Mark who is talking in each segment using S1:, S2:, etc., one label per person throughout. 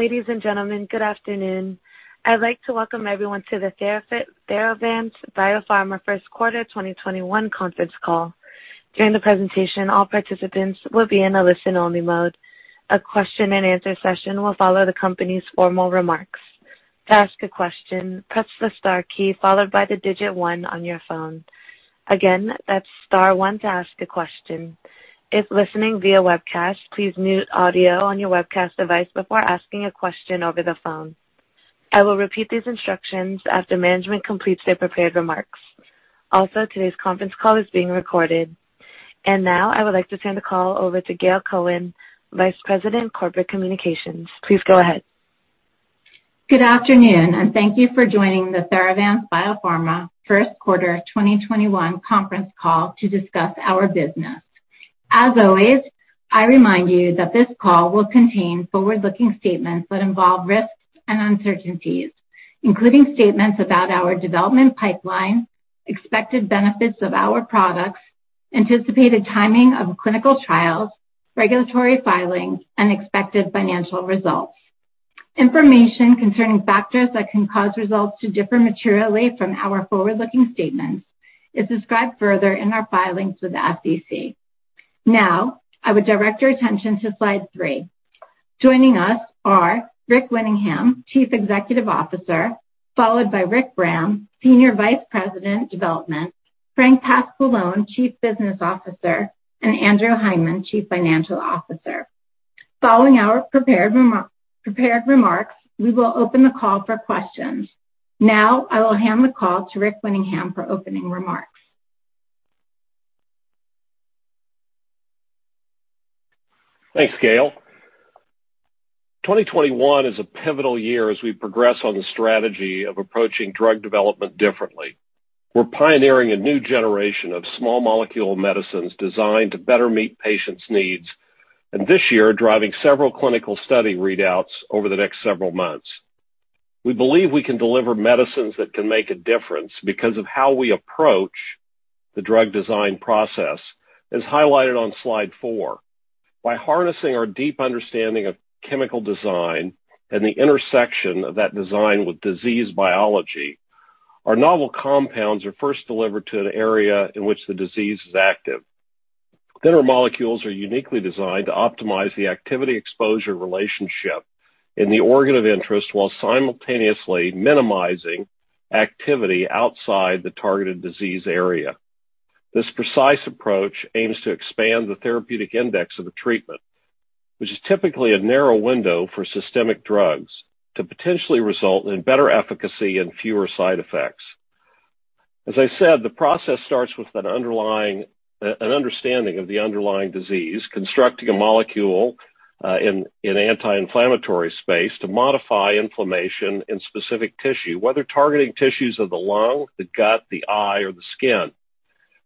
S1: Ladies and gentlemen, good afternoon. I'd like to welcome everyone to the Theravance Biopharma First Quarter 2021 conference call. During the presentation, all participants will be in a listen-only mode. A question and answer session will follow the company's formal remarks. To ask a question, press the star key followed by the digit one on your phone. Again, that's star one to ask a question. If listening via webcast, please mute audio on your webcast device before asking a question over the phone. I will repeat these instructions after management completes their prepared remarks. Also, today's conference call is being recorded. Now I would like to turn the call over to Gail Cohen, Vice President, Corporate Communications. Please go ahead.
S2: Good afternoon, and thank you for joining the Theravance Biopharma First Quarter 2021 conference call to discuss our business. As always, I remind you that this call will contain forward-looking statements that involve risks and uncertainties, including statements about our development pipeline, expected benefits of our products, anticipated timing of clinical trials, regulatory filings, and expected financial results. Information concerning factors that can cause results to differ materially from our forward-looking statements is described further in our filings with the SEC. I would direct your attention to slide three. Joining us are Rick Winningham, Chief Executive Officer, followed by Rick Graham, Senior Vice President, Development, Frank Pasqualone, Chief Business Officer, and Andrew Hindman, Chief Financial Officer. Following our prepared remarks, we will open the call for questions. I will hand the call to Rick Winningham for opening remarks.
S3: Thanks, Gail. 2021 is a pivotal year as we progress on the strategy of approaching drug development differently. We're pioneering a new generation of small molecule medicines designed to better meet patients' needs, and this year, driving several clinical study readouts over the next several months. We believe we can deliver medicines that can make a difference because of how we approach the drug design process, as highlighted on slide four. By harnessing our deep understanding of chemical design and the intersection of that design with disease biology, our novel compounds are first delivered to an area in which the disease is active. Our molecules are uniquely designed to optimize the activity-exposure relationship in the organ of interest while simultaneously minimizing activity outside the targeted disease area. This precise approach aims to expand the therapeutic index of the treatment, which is typically a narrow window for systemic drugs to potentially result in better efficacy and fewer side effects. As I said, the process starts with an understanding of the underlying disease, constructing a molecule in anti-inflammatory space to modify inflammation in specific tissue, whether targeting tissues of the lung, the gut, the eye, or the skin.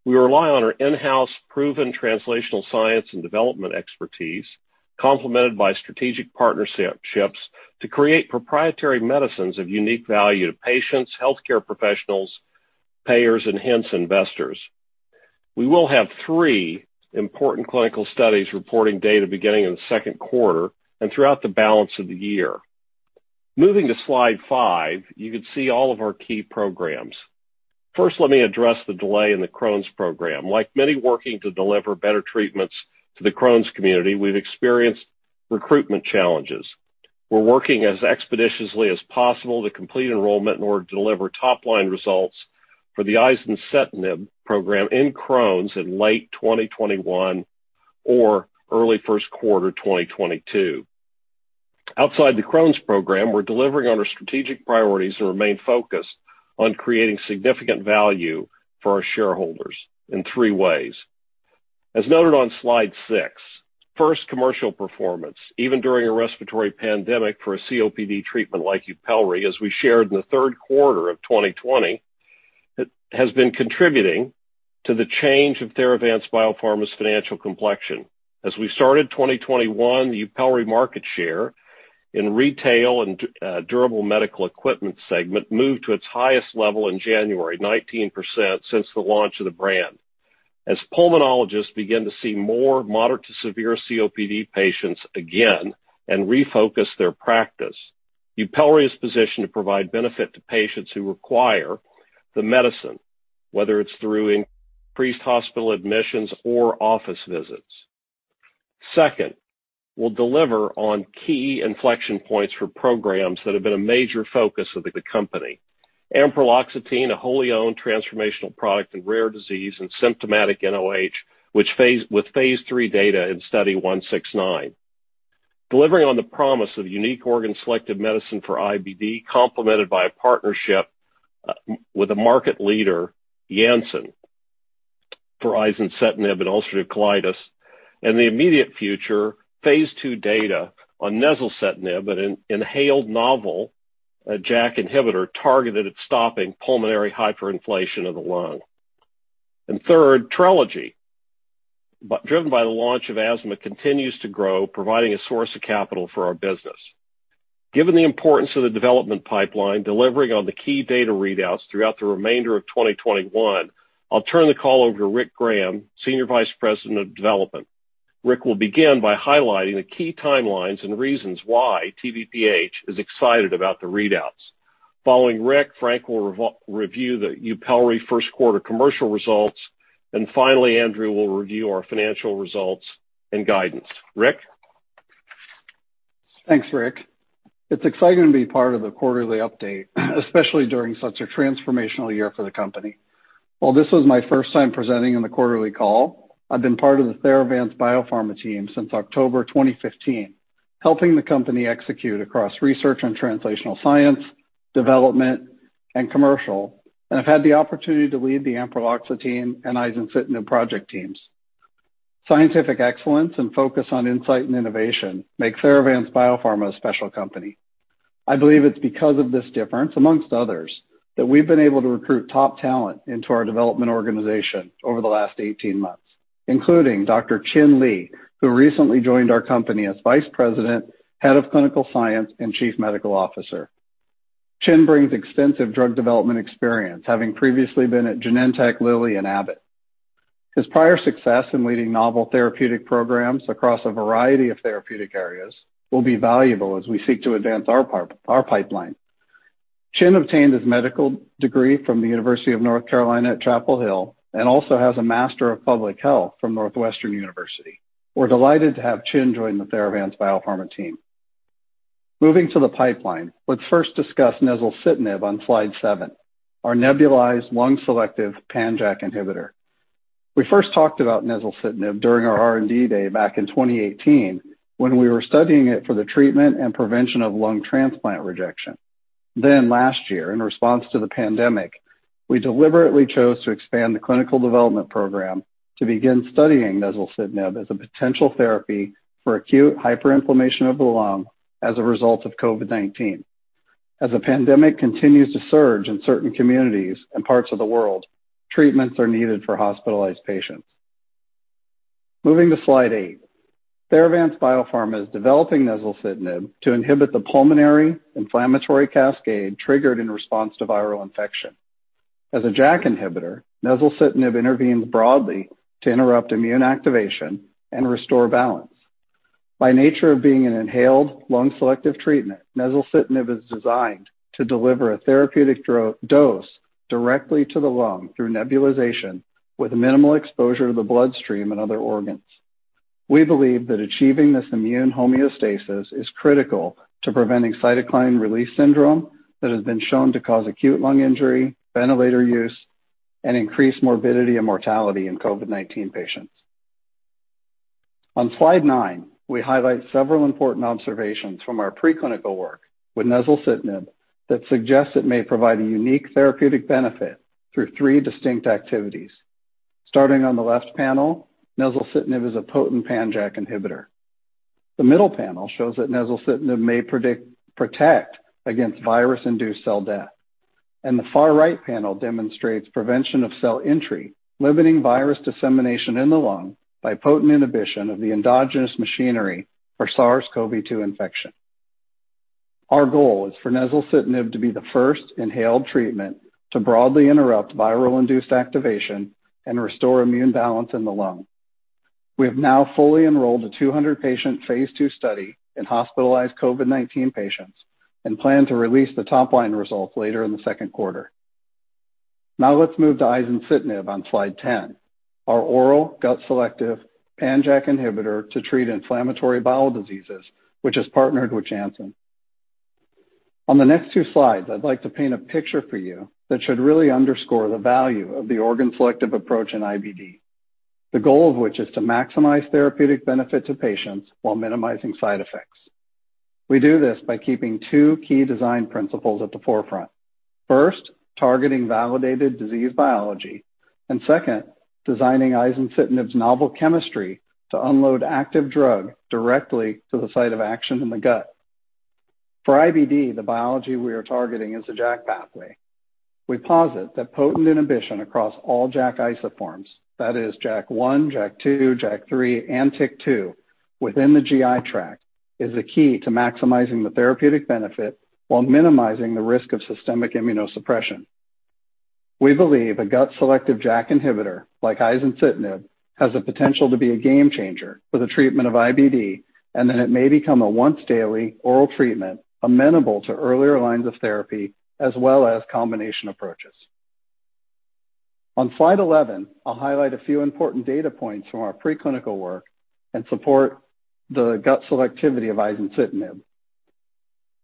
S3: We rely on our in-house proven translational science and development expertise, complemented by strategic partnerships to create proprietary medicines of unique value to patients, healthcare professionals, payers, and hence, investors. We will have three important clinical studies reporting data beginning in the second quarter and throughout the balance of the year. Moving to slide five, you can see all of our key programs. First, let me address the delay in the Crohn's program. Like many working to deliver better treatments to the Crohn's community, we've experienced recruitment challenges. We're working as expeditiously as possible to complete enrollment in order to deliver top-line results for the izencitinib program in Crohn's in late 2021 or early first quarter 2022. Outside the Crohn's program, we're delivering on our strategic priorities and remain focused on creating significant value for our shareholders in three ways. As noted on slide six. First, commercial performance. Even during a respiratory pandemic for a COPD treatment like YUPELRI, as we shared in the third quarter of 2020, has been contributing to the change of Theravance Biopharma's financial complexion. We started 2021, the YUPELRI market share in retail and durable medical equipment segment moved to its highest level in January, 19% since the launch of the brand. As pulmonologists begin to see more moderate to severe COPD patients again and refocus their practice, YUPELRI is positioned to provide benefit to patients who require the medicine, whether it's through increased hospital admissions or office visits. Second, we'll deliver on key inflection points for programs that have been a major focus of the company. Ampreloxetine, a wholly owned transformational product in rare disease and symptomatic nOH with phase III data in Study 169. Delivering on the promise of unique organ selective medicine for IBD, complemented by a partnership with a market leader, Janssen, for izencitinib and ulcerative colitis. In the immediate future, phase II data on nezulcitinib, an inhaled novel JAK inhibitor targeted at stopping pulmonary hyperinflation of the lung. Third, Trelegy, driven by the launch of asthma, continues to grow, providing a source of capital for our business. Given the importance of the development pipeline delivering on the key data readouts throughout the remainder of 2021, I'll turn the call over to Rick Graham, Senior Vice President of Development. Rick will begin by highlighting the key timelines and reasons why TBPH is excited about the readouts. Following Rick, Frank will review the YUPELRI first quarter commercial results. Finally, Andrew will review our financial results and guidance. Rick?
S4: Thanks, Rick. It's exciting to be part of the quarterly update, especially during such a transformational year for the company. While this was my first time presenting on the quarterly call, I've been part of the Theravance Biopharma team since October 2015, helping the company execute across research and translational science, development, and commercial, and I've had the opportunity to lead the ampreloxetine team and izencitinib project teams. Scientific excellence and focus on insight and innovation make Theravance Biopharma a special company. I believe it's because of this difference, amongst others, that we've been able to recruit top talent into our development organization over the last 18 months, including Dr. Chin Lee, who recently joined our company as Vice President, Head of Clinical Science, and Chief Medical Officer. Chin brings extensive drug development experience, having previously been at Genentech, Lilly, and Abbott. His prior success in leading novel therapeutic programs across a variety of therapeutic areas will be valuable as we seek to advance our pipeline. Chin obtained his medical degree from the University of North Carolina at Chapel Hill, and also has a Master of Public Health from Northwestern University. We're delighted to have Chin join the Theravance Biopharma team. Moving to the pipeline, let's first discuss nezulcitinib on slide seven, our nebulized lung-selective pan-JAK inhibitor. We first talked about nezulcitinib during our R&D day back in 2018 when we were studying it for the treatment and prevention of lung transplant rejection. Last year, in response to the pandemic, we deliberately chose to expand the clinical development program to begin studying nezulcitinib as a potential therapy for acute hyperinflammation of the lung as a result of COVID-19. As the pandemic continues to surge in certain communities and parts of the world, treatments are needed for hospitalized patients. Moving to slide eight. Theravance Biopharma is developing nezulcitinib to inhibit the pulmonary inflammatory cascade triggered in response to viral infection. As a JAK inhibitor, nezulcitinib intervenes broadly to interrupt immune activation and restore balance. By nature of being an inhaled lung-selective treatment, nezulcitinib is designed to deliver a therapeutic dose directly to the lung through nebulization with minimal exposure to the bloodstream and other organs. We believe that achieving this immune homeostasis is critical to preventing cytokine release syndrome that has been shown to cause acute lung injury, ventilator use, and increased morbidity and mortality in COVID-19 patients. On slide nine, we highlight several important observations from our preclinical work with nezulcitinib that suggests it may provide a unique therapeutic benefit through three distinct activities. Starting on the left panel, nezulcitinib is a potent pan-JAK inhibitor. The middle panel shows that nezulcitinib may protect against virus-induced cell death. The far right panel demonstrates prevention of cell entry, limiting virus dissemination in the lung by potent inhibition of the endogenous machinery for SARS-CoV-2 infection. Our goal is for nezulcitinib to be the first inhaled treatment to broadly interrupt viral-induced activation and restore immune balance in the lung. We have now fully enrolled a 200-patient phase II study in hospitalized COVID-19 patients and plan to release the top-line results later in the second quarter. Let's move to izencitinib on slide 10, our oral gut-selective pan-JAK inhibitor to treat inflammatory bowel diseases, which is partnered with Janssen. On the next two slides, I'd like to paint a picture for you that should really underscore the value of the organ-selective approach in IBD. The goal of which is to maximize therapeutic benefit to patients while minimizing side effects. We do this by keeping two key design principles at the forefront. First, targeting validated disease biology. Second, designing izencitinib's novel chemistry to unload active drug directly to the site of action in the gut. For IBD, the biology we are targeting is the JAK pathway. We posit that potent inhibition across all JAK isoforms, that is JAK1, JAK2, JAK3, and TYK2 within the GI tract, is the key to maximizing the therapeutic benefit while minimizing the risk of systemic immunosuppression. We believe a gut-selective JAK inhibitor like izencitinib has the potential to be a game changer for the treatment of IBD, and that it may become a once-daily oral treatment amenable to earlier lines of therapy as well as combination approaches. On slide 11, I'll highlight a few important data points from our preclinical work and support the gut selectivity of izencitinib.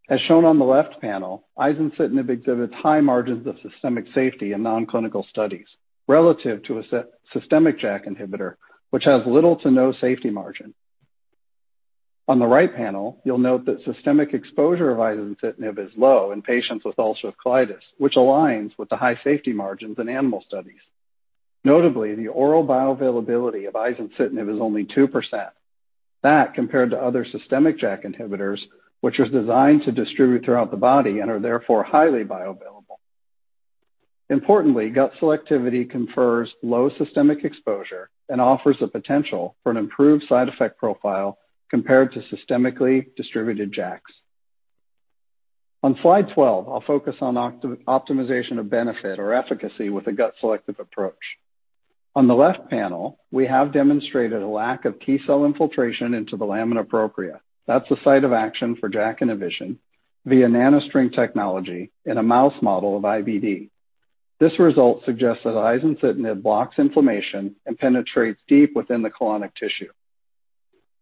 S4: As shown on the left panel, izencitinib exhibits high margins of systemic safety in non-clinical studies relative to a systemic JAK inhibitor, which has little to no safety margin. On the right panel, you'll note that systemic exposure of izencitinib is low in patients with ulcerative colitis, which aligns with the high safety margins in animal studies. Notably, the oral bioavailability of izencitinib is only 2%. That compared to other systemic JAK inhibitors, which are designed to distribute throughout the body and are therefore highly bioavailable. Importantly, gut selectivity confers low systemic exposure and offers the potential for an improved side effect profile compared to systemically distributed JAKs. On slide 12, I'll focus on optimization of benefit or efficacy with a gut-selective approach. On the left panel, we have demonstrated a lack of T cell infiltration into the lamina propria. That's the site of action for JAK inhibition via NanoString technology in a mouse model of IBD. This result suggests that izencitinib blocks inflammation and penetrates deep within the colonic tissue.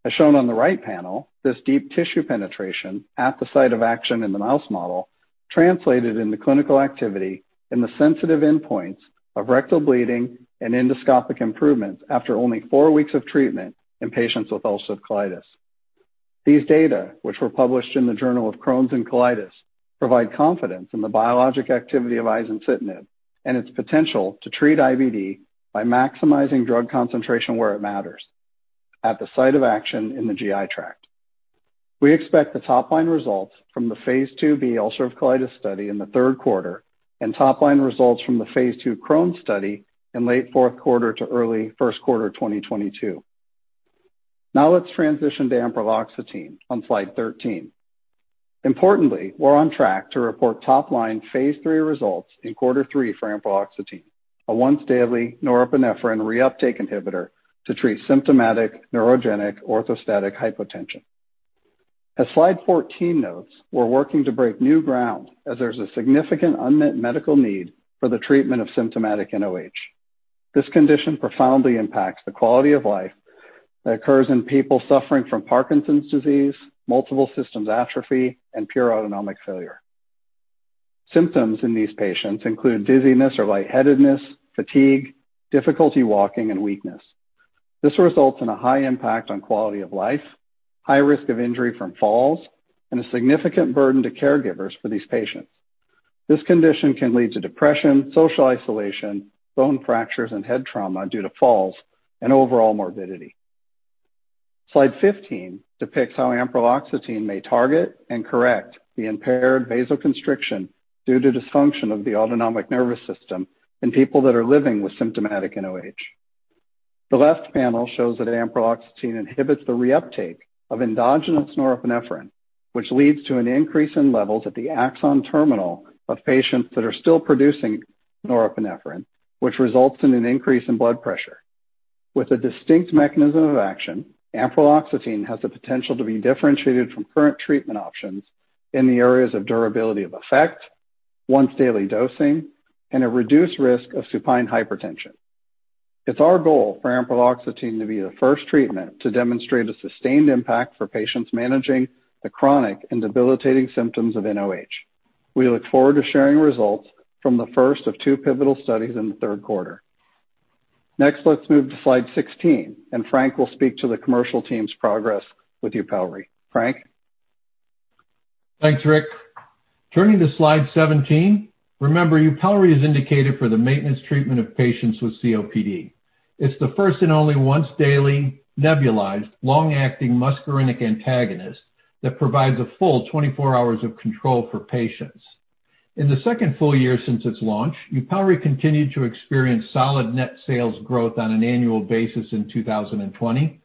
S4: As shown on the right panel, this deep tissue penetration at the site of action in the mouse model translated into clinical activity in the sensitive endpoints of rectal bleeding and endoscopic improvements after only four weeks of treatment in patients with ulcerative colitis. These data, which were published in the Journal of Crohn's and Colitis, provide confidence in the biologic activity of izencitinib and its potential to treat IBD by maximizing drug concentration where it matters, at the site of action in the GI tract. We expect the top-line results from the phase IIb ulcerative colitis study in the third quarter and top-line results from the phase II Crohn's study in late fourth quarter to early first quarter 2022. Now let's transition to ampreloxetine on slide 13. Importantly, we're on track to report top-line phase III results in quarter three for ampreloxetine, a once-daily norepinephrine reuptake inhibitor to treat symptomatic neurogenic orthostatic hypotension. As slide 14 notes, we're working to break new ground as there's a significant unmet medical need for the treatment of symptomatic nOH. This condition profoundly impacts the quality of life that occurs in people suffering from Parkinson's disease, multiple system atrophy, and pure autonomic failure. Symptoms in these patients include dizziness or lightheadedness, fatigue, difficulty walking, and weakness. This results in a high impact on quality of life, high risk of injury from falls, and a significant burden to caregivers for these patients. This condition can lead to depression, social isolation, bone fractures, and head trauma due to falls and overall morbidity. Slide 15 depicts how ampreloxetine may target and correct the impaired vasoconstriction due to dysfunction of the autonomic nervous system in people that are living with symptomatic nOH. The left panel shows that ampreloxetine inhibits the reuptake of endogenous norepinephrine, which leads to an increase in levels at the axon terminal of patients that are still producing norepinephrine, which results in an increase in blood pressure. With a distinct mechanism of action, ampreloxetine has the potential to be differentiated from current treatment options in the areas of durability of effect, once-daily dosing, and a reduced risk of supine hypertension. It's our goal for ampreloxetine to be the first treatment to demonstrate a sustained impact for patients managing the chronic and debilitating symptoms of nOH. We look forward to sharing results from the first of two pivotal studies in the third quarter. Let's move to slide 16, and Frank will speak to the commercial team's progress with YUPELRI. Frank?
S5: Thanks, Rick. Turning to slide 17, remember YUPELRI is indicated for the maintenance treatment of patients with COPD. It's the first and only once-daily nebulized long-acting muscarinic antagonist that provides a full 24 hours of control for patients. In the second full year since its launch, YUPELRI continued to experience solid net sales growth on an annual basis in 2020,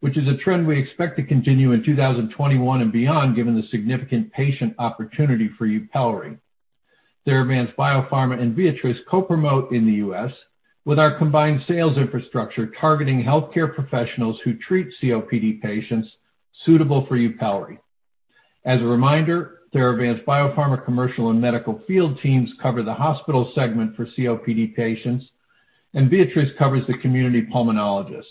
S5: which is a trend we expect to continue in 2021 and beyond, given the significant patient opportunity for YUPELRI. Theravance Biopharma and Viatris co-promote in the U.S. with our combined sales infrastructure targeting healthcare professionals who treat COPD patients suitable for YUPELRI. As a reminder, Theravance Biopharma commercial and medical field teams cover the hospital segment for COPD patients, and Viatris covers the community pulmonologists.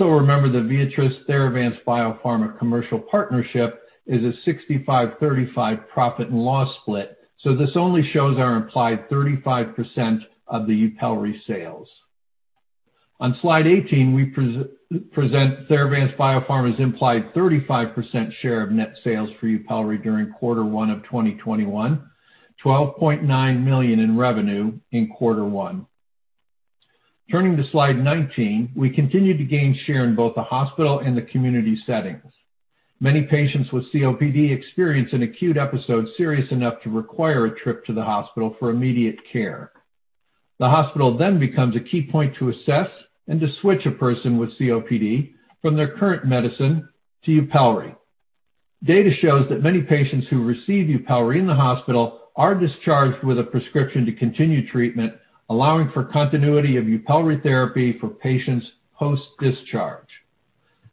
S5: Remember, the Viatris-Theravance Biopharma commercial partnership is a 65/35 profit and loss split, this only shows our implied 35% of the YUPELRI sales. On slide 18, we present Theravance Biopharma's implied 35% share of net sales for YUPELRI during quarter one of 2021, $12.9 million in revenue in quarter one. Turning to slide 19, we continue to gain share in both the hospital and the community settings. Many patients with COPD experience an acute episode serious enough to require a trip to the hospital for immediate care. The hospital becomes a key point to assess and to switch a person with COPD from their current medicine to YUPELRI. Data shows that many patients who receive YUPELRI in the hospital are discharged with a prescription to continue treatment, allowing for continuity of YUPELRI therapy for patients post-discharge.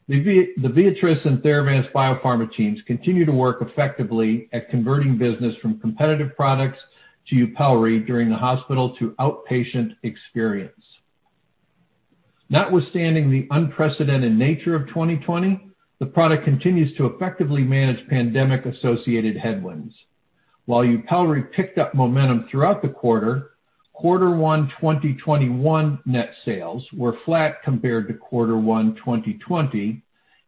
S5: The Viatris and Theravance Biopharma teams continue to work effectively at converting business from competitive products to YUPELRI during the hospital to outpatient experience. Notwithstanding the unprecedented nature of 2020, the product continues to effectively manage pandemic-associated headwinds. While YUPELRI picked up momentum throughout the quarter one 2021 net sales were flat compared to quarter one 2020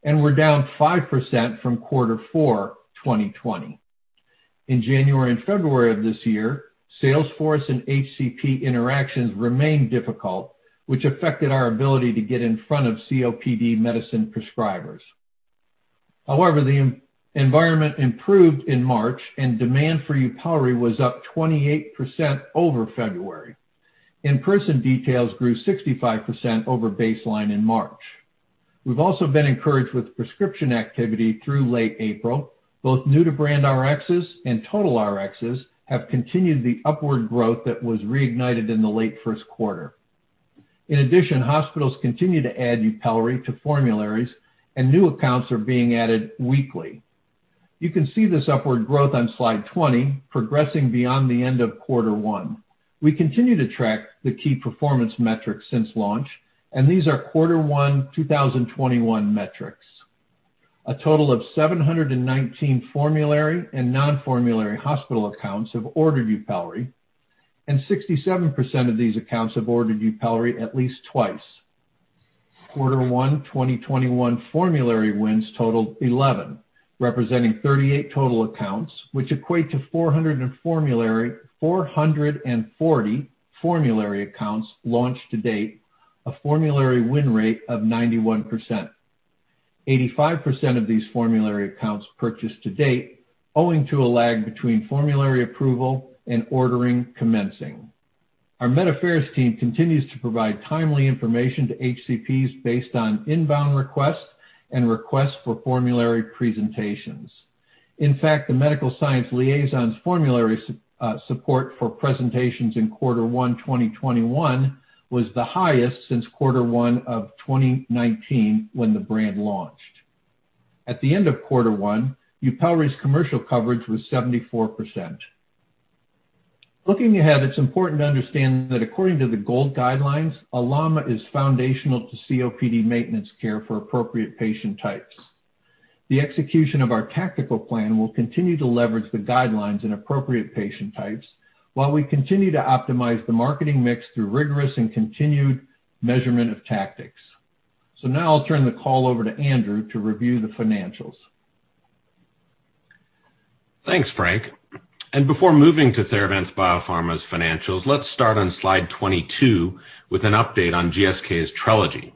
S5: and were down 5% from quarter four 2020. In January and February of this year, sales force and HCP interactions remained difficult, which affected our ability to get in front of COPD medicine prescribers. The environment improved in March, and demand for YUPELRI was up 28% over February. In-person details grew 65% over baseline in March. We've also been encouraged with prescription activity through late April, both new-to-brand Rxs and total Rxs have continued the upward growth that was reignited in the late first quarter. Hospitals continue to add YUPELRI to formularies and new accounts are being added weekly. You can see this upward growth on slide 20 progressing beyond the end of quarter one. We continue to track the key performance metrics since launch, and these are quarter one 2021 metrics. A total of 719 formulary and non-formulary hospital accounts have ordered YUPELRI, and 67% of these accounts have ordered YUPELRI at least twice. Quarter one 2021 formulary wins totaled 11, representing 38 total accounts, which equate to 440 formulary accounts launched to date, a formulary win rate of 91%. 85% of these formulary accounts purchased to date owing to a lag between formulary approval and ordering commencing. Our Medical Affairs team continues to provide timely information to HCPs based on inbound requests and requests for formulary presentations. In fact, the medical science liaisons formulary support for presentations in quarter one 2021 was the highest since quarter one of 2019 when the brand launched. At the end of quarter one, YUPELRI's commercial coverage was 74%. Looking ahead, it's important to understand that according to the GOLD guidelines, LAMA is foundational to COPD maintenance care for appropriate patient types. The execution of our tactical plan will continue to leverage the guidelines and appropriate patient types while we continue to optimize the marketing mix through rigorous and continued measurement of tactics. Now I'll turn the call over to Andrew to review the financials.
S6: Thanks, Frank. Before moving to Theravance Biopharma's financials, let's start on slide 22 with an update on GSK's Trelegy.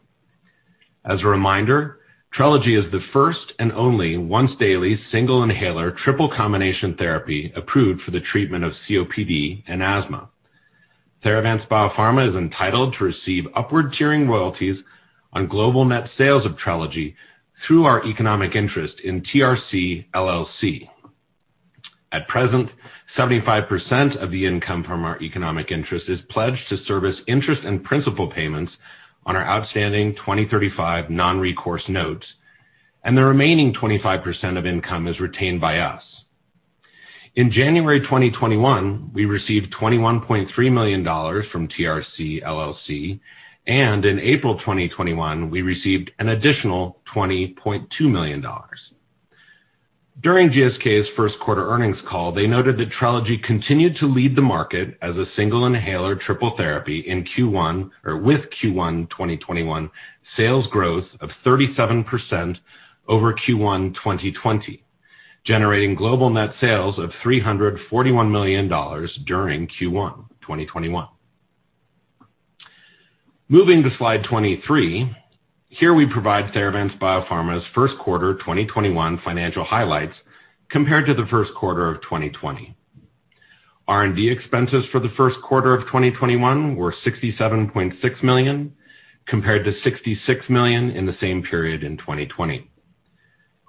S6: As a reminder, Trelegy is the first and only once-daily, single-inhaler, triple-combination therapy approved for the treatment of COPD and asthma. Theravance Biopharma is entitled to receive upward tiering royalties on global net sales of Trelegy through our economic interest in TRC LLC. At present, 75% of the income from our economic interest is pledged to service interest and principal payments on our outstanding 2035 non-recourse notes, and the remaining 25% of income is retained by us. In January 2021, we received $21.3 million from TRC LLC, and in April 2021, we received an additional $20.2 million. During GSK's first quarter earnings call, they noted that Trelegy continued to lead the market as a single-inhaler triple therapy with Q1 2021 sales growth of 37% over Q1 2020, generating global net sales of $341 million during Q1 2021. Moving to slide 23. Here we provide Theravance Biopharma's first quarter 2021 financial highlights compared to the first quarter of 2020. R&D expenses for the first quarter of 2021 were $67.6 million, compared to $66 million in the same period in 2020.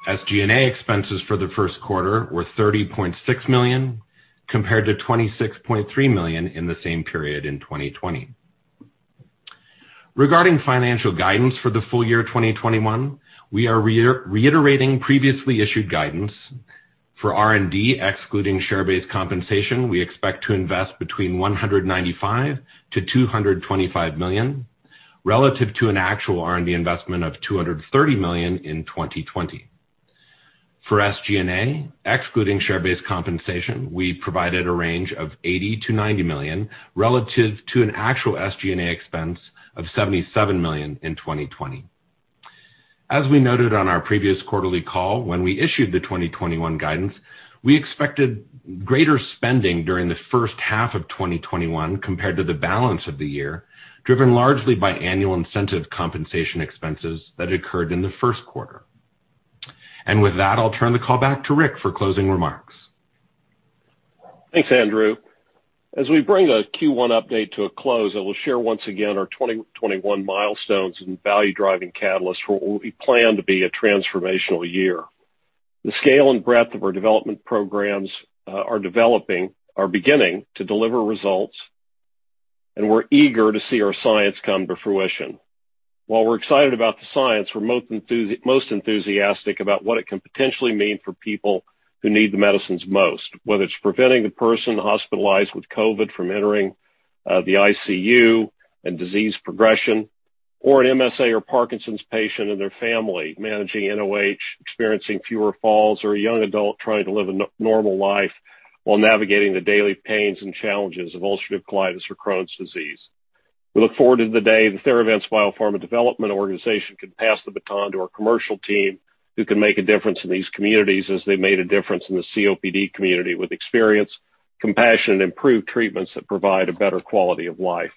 S6: SG&A expenses for the first quarter were $30.6 million, compared to $26.3 million in the same period in 2020. Regarding financial guidance for the full year 2021, we are reiterating previously issued guidance. For R&D, excluding share-based compensation, we expect to invest between $195 million-$225 million, relative to an actual R&D investment of $230 million in 2020. For SG&A, excluding share-based compensation, we provided a range of $80 million-$90 million, relative to an actual SG&A expense of $77 million in 2020. As we noted on our previous quarterly call, when we issued the 2021 guidance, we expected greater spending during the first half of 2021 compared to the balance of the year, driven largely by annual incentive compensation expenses that occurred in the first quarter. With that, I'll turn the call back to Rick for closing remarks.
S3: Thanks, Andrew. As we bring the Q1 update to a close, I will share once again our 2021 milestones and value-driving catalysts for what we plan to be a transformational year. The scale and breadth of our development programs are beginning to deliver results, and we're eager to see our science come to fruition. While we're excited about the science, we're most enthusiastic about what it can potentially mean for people who need the medicines most, whether it's preventing the person hospitalized with COVID from entering the ICU and disease progression, or an MSA or Parkinson's patient and their family managing nOH, experiencing fewer falls, or a young adult trying to live a normal life while navigating the daily pains and challenges of ulcerative colitis or Crohn's disease. We look forward to the day the Theravance Biopharma development organization can pass the baton to our commercial team, who can make a difference in these communities as they made a difference in the COPD community with experience, compassion, and improved treatments that provide a better quality of life.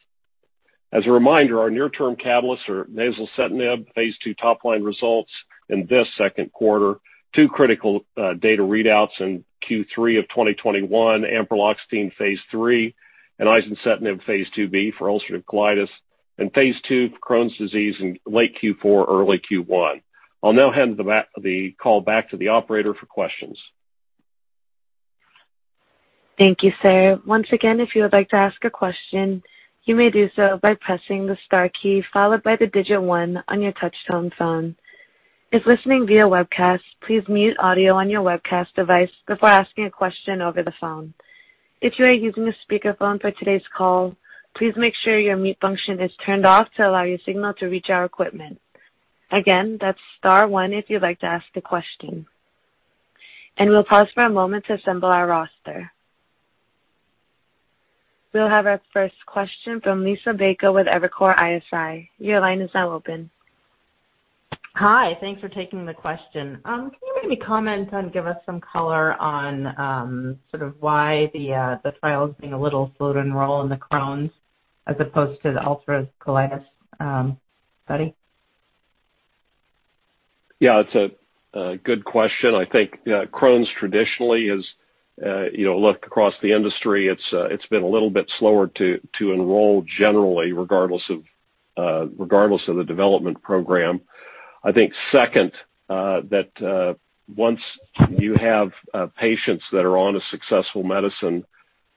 S3: As a reminder, our near-term catalysts are nezulcitinib, phase II top-line results in this second quarter, two critical data readouts in Q3 of 2021, ampreloxetine phase III, and izencitinib phase II-B for ulcerative colitis, and phase II for Crohn's disease in late Q4 or early Q1. I'll now hand the call back to the operator for questions.
S1: Thank you, sir. Once again, if you would like to ask a question, you may do so by pressing the star key followed by the digit one on your touch-tone phone. If listening via webcast, please mute audio on your webcast device before asking a question over the phone. If you are using a speakerphone for today's call, please make sure your mute function is turned off to allow your signal to reach our equipment. Again, that's star one if you'd like to ask a question. We'll pause for a moment to assemble our roster. We'll have our first question from Liisa Bayko with Evercore ISI. Your line is now open.
S7: Hi. Thanks for taking the question. Can you maybe give us some color on why the trial is being a little slow to enroll in the Crohn's as opposed to the ulcerative colitis study?
S3: Yeah, it's a good question. I think Crohn's traditionally is, look across the industry, it's been a little bit slower to enroll generally, regardless of the development program. I think second, that once you have patients that are on a successful medicine,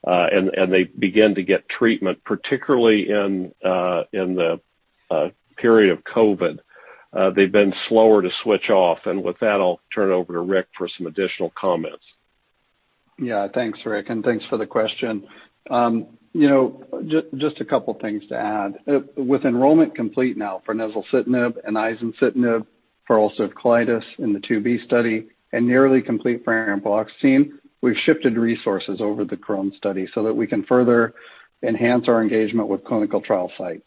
S3: they begin to get treatment, particularly in the period of COVID, they've been slower to switch off. With that, I'll turn it over to Rick for some additional comments.
S4: Thanks, Rick, and thanks for the question. Just a couple things to add. With enrollment complete now for nezulcitinib and izencitinib for ulcerative colitis in the phase II-B study and nearly complete for ampreloxetine, we've shifted resources over the Crohn's study so that we can further enhance our engagement with clinical trial sites.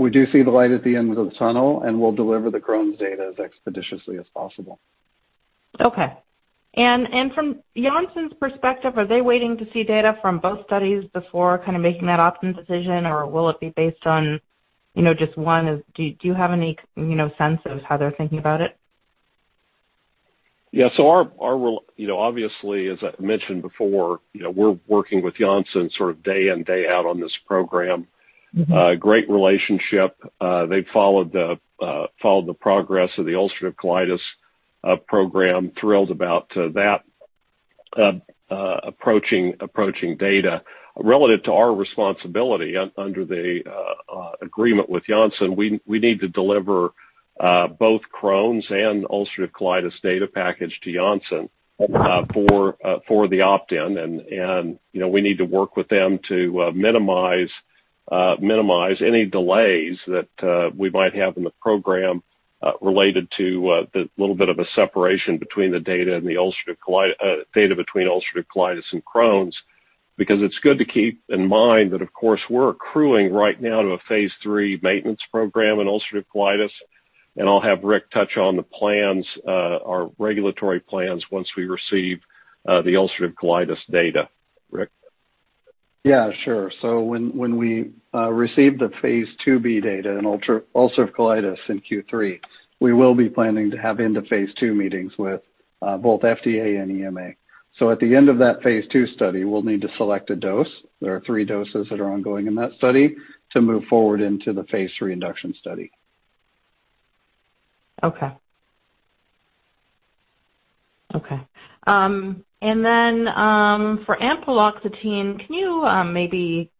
S4: We do see the light at the end of the tunnel, and we'll deliver the Crohn's data as expeditiously as possible.
S7: Okay. From Janssen's perspective, are they waiting to see data from both studies before making that opt-in decision, or will it be based on just one? Do you have any sense of how they're thinking about it?
S3: Yeah. Obviously, as I mentioned before, we're working with Janssen sort of day in, day out on this program. Great relationship. They've followed the progress of the ulcerative colitis program. Thrilled about that approaching data. Relative to our responsibility under the agreement with Janssen, we need to deliver both Crohn's and ulcerative colitis data package to Janssen for the opt-in. We need to work with them to minimize any delays that we might have in the program related to the little bit of a separation between the data between ulcerative colitis and Crohn's. It's good to keep in mind that of course, we're accruing right now to a phase III maintenance program in ulcerative colitis, and I'll have Rick touch on our regulatory plans once we receive the ulcerative colitis data. Rick?
S4: Yeah, sure. When we receive the phase II-B data in ulcerative colitis in Q3, we will be planning to have end of phase II meetings with both FDA and EMA. At the end of that phase II study, we'll need to select a dose. There are three doses that are ongoing in that study to move forward into the phase III induction study.
S7: Okay. Then for ampreloxetine, can you maybe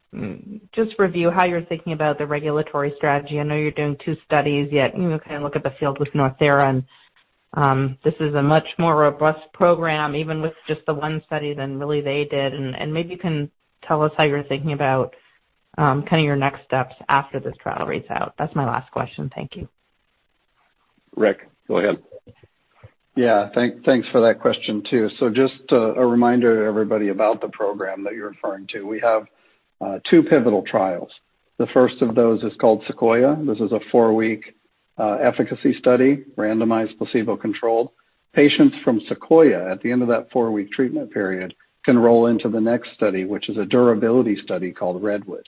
S7: just review how you're thinking about the regulatory strategy? I know you're doing two studies, yet you kind of look at the field with Northera, this is a much more robust program, even with just the one study than really they did. Maybe you can tell us how you're thinking about your next steps after this trial reads out. That's my last question. Thank you.
S3: Rick, go ahead.
S4: Yeah. Thanks for that question, too. Just a reminder to everybody about the program that you're referring to. We have two pivotal trials. The first of those is called SEQUOIA. This is a four-week efficacy study, randomized placebo-controlled. Patients from SEQUOIA, at the end of that four-week treatment period, can roll into the next study, which is a durability study called REDWOOD.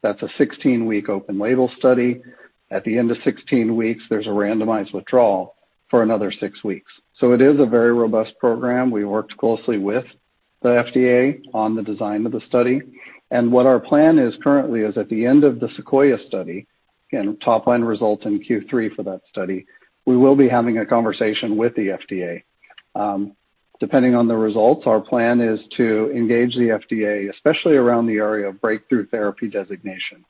S4: That's a 16-week open label study. At the end of 16 weeks, there's a randomized withdrawal for another six weeks. It is a very robust program. We worked closely with the FDA on the design of the study. What our plan is currently is at the end of the SEQUOIA study, again, top-line results in Q3 for that study, we will be having a conversation with the FDA. Depending on the results, our plan is to engage the FDA, especially around the area of breakthrough therapy designation.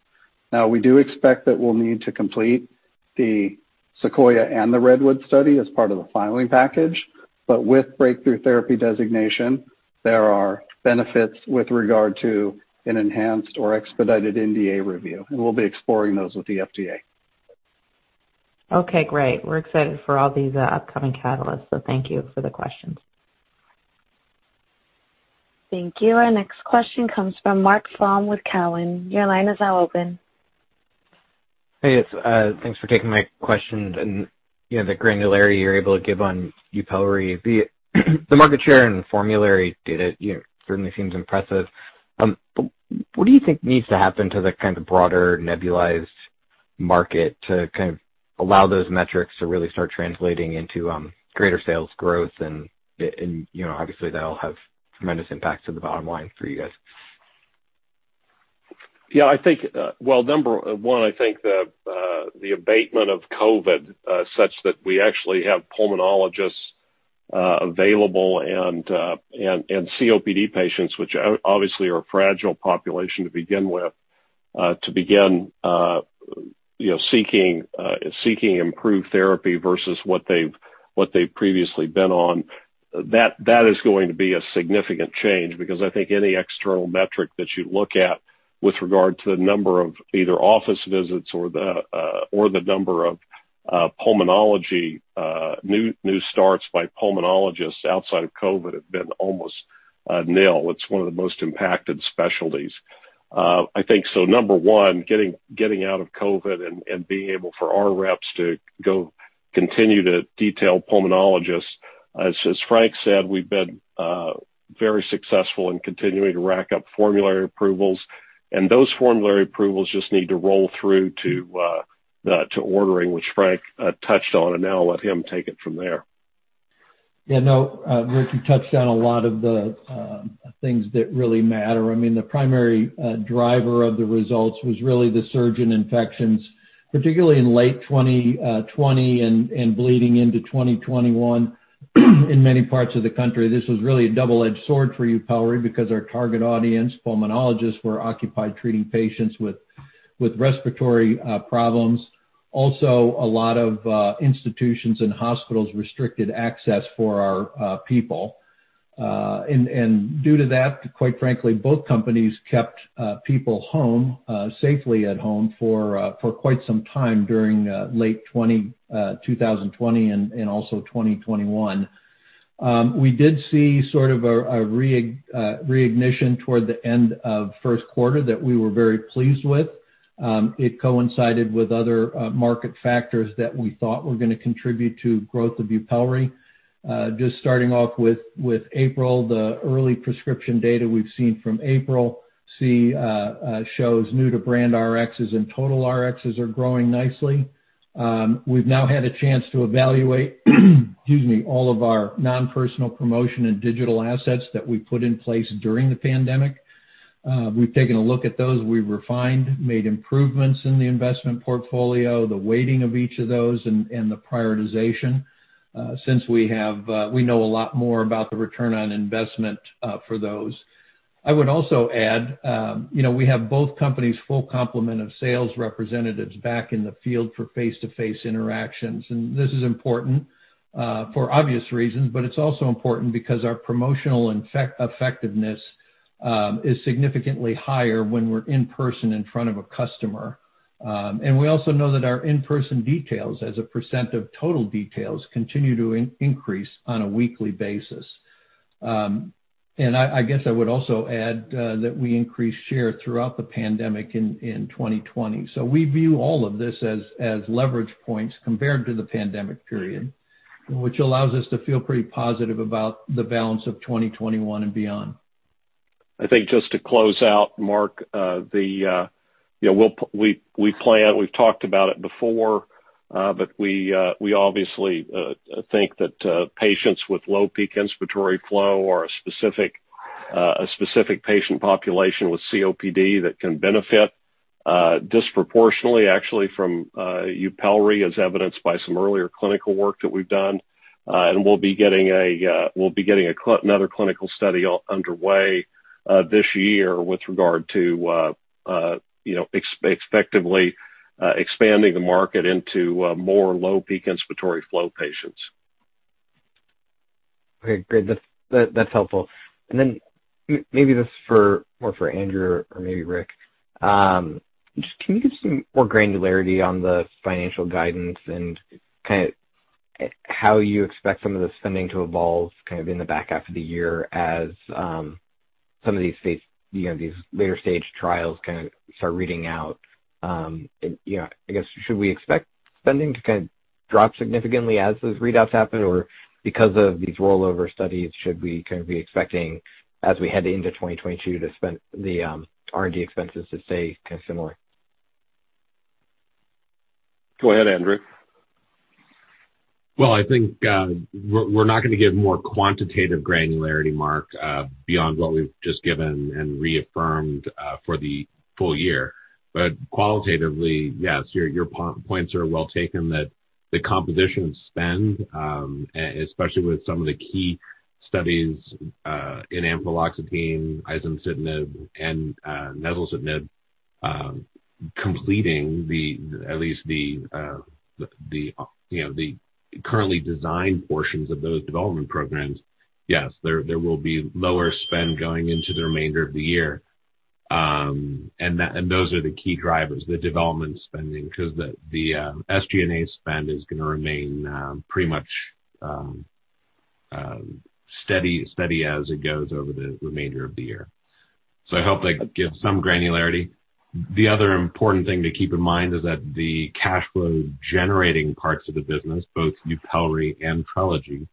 S4: We do expect that we'll need to complete the SEQUOIA and the REDWOOD study as part of the filing package. With breakthrough therapy designation, there are benefits with regard to an enhanced or expedited NDA review, and we'll be exploring those with the FDA.
S7: Okay, great. We're excited for all these upcoming catalysts, so thank you for the questions.
S1: Thank you. Our next question comes from Mark Frahm with Cowen. Your line is now open.
S8: Hey. Thanks for taking my question, and the granularity you're able to give on YUPELRI. The market share and formulary data certainly seems impressive. What do you think needs to happen to the kind of broader nebulized market to allow those metrics to really start translating into greater sales growth? Obviously that'll have tremendous impacts to the bottom line for you guys.
S3: Yeah, well, number one, I think the abatement of COVID, such that we actually have pulmonologists available and COPD patients, which obviously are a fragile population to begin with, to begin seeking improved therapy versus what they've previously been on. That is going to be a significant change because I think any external metric that you look at with regard to the number of either office visits or the number of pulmonology, new starts by pulmonologists outside of COVID, have been almost nil. It's one of the most impacted specialties. I think so number one, getting out of COVID and being able for our reps to go continue to detail pulmonologists. As Frank said, we've been very successful in continuing to rack up formulary approvals, and those formulary approvals just need to roll through to ordering, which Frank touched on, and I'll let him take it from there.
S5: Yeah, no, Rick, you touched on a lot of the things that really matter. I mean, the primary driver of the results was really the surge in infections, particularly in late 2020 and bleeding into 2021 in many parts of the country. This was really a double-edged sword for YUPELRI because our target audience, pulmonologists, were occupied treating patients with respiratory problems. A lot of institutions and hospitals restricted access for our people. Due to that, quite frankly, both companies kept people safely at home for quite some time during late 2020 and also 2021. We did see sort of a reignition toward the end of first quarter that we were very pleased with. It coincided with other market factors that we thought were going to contribute to growth of YUPELRI. Just starting off with April, the early prescription data we've seen from April shows new to brand Rxs and total Rxs are growing nicely. We've now had a chance to evaluate all of our non-personal promotion and digital assets that we put in place during the pandemic. We've taken a look at those. We've refined, made improvements in the investment portfolio, the weighting of each of those, and the prioritization, since we know a lot more about the return on investment for those. I would also add we have both companies' full complement of sales representatives back in the field for face-to-face interactions. This is important for obvious reasons, but it's also important because our promotional effectiveness is significantly higher when we're in person in front of a customer. We also know that our in-person details as a percent of total details continue to increase on a weekly basis. I guess I would also add that we increased share throughout the pandemic in 2020. We view all of this as leverage points compared to the pandemic period, which allows us to feel pretty positive about the balance of 2021 and beyond.
S3: I think just to close out, Mark, we've planned, we've talked about it before, but we obviously think that patients with low peak inspiratory flow are a specific patient population with COPD that can benefit disproportionately actually from YUPELRI, as evidenced by some earlier clinical work that we've done. We'll be getting another clinical study underway this year with regard to effectively expanding the market into more low peak inspiratory flow patients.
S8: Okay, great. That's helpful. Then maybe this is more for Andrew Hindman or maybe Rick. Just can you give some more granularity on the financial guidance and how you expect some of the spending to evolve in the back half of the year as some of these later-stage trials start reading out? I guess, should we expect spending to drop significantly as those readouts happen? Because of these rollover studies, should we be expecting, as we head into 2022, the R&D expenses to stay similar?
S3: Go ahead, Andrew.
S6: I think we're not going to give more quantitative granularity, Mark, beyond what we've just given and reaffirmed for the full year. Qualitatively, yes, your points are well taken that the composition of spend, especially with some of the key studies in ampreloxetine, izencitinib, and nezulcitinib completing at least the currently designed portions of those development programs. There will be lower spend going into the remainder of the year. Those are the key drivers, the development spending, because the SG&A spend is going to remain pretty much steady as it goes over the remainder of the year. I hope that gives some granularity. The other important thing to keep in mind is that the cash flow generating parts of the business, both YUPELRI and Trelegy,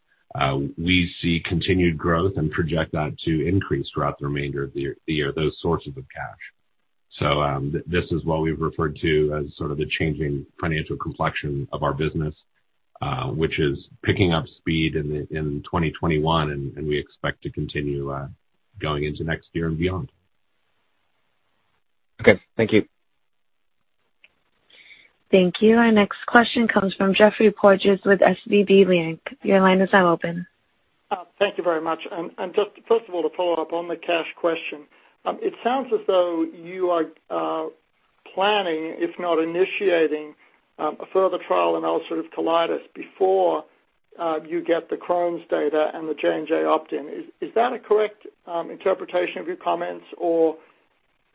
S6: we see continued growth and project that to increase throughout the remainder of the year, those sources of cash. This is what we've referred to as sort of the changing financial complexion of our business, which is picking up speed in 2021, and we expect to continue going into next year and beyond.
S8: Okay. Thank you.
S1: Thank you. Our next question comes from Geoffrey Porges with SVB Leerink.
S9: Thank you very much. Just first of all, to follow up on the cash question. It sounds as though you are planning, if not initiating, a further trial in ulcerative colitis before you get the Crohn's data and the J&J opt-in. Is that a correct interpretation of your comments, or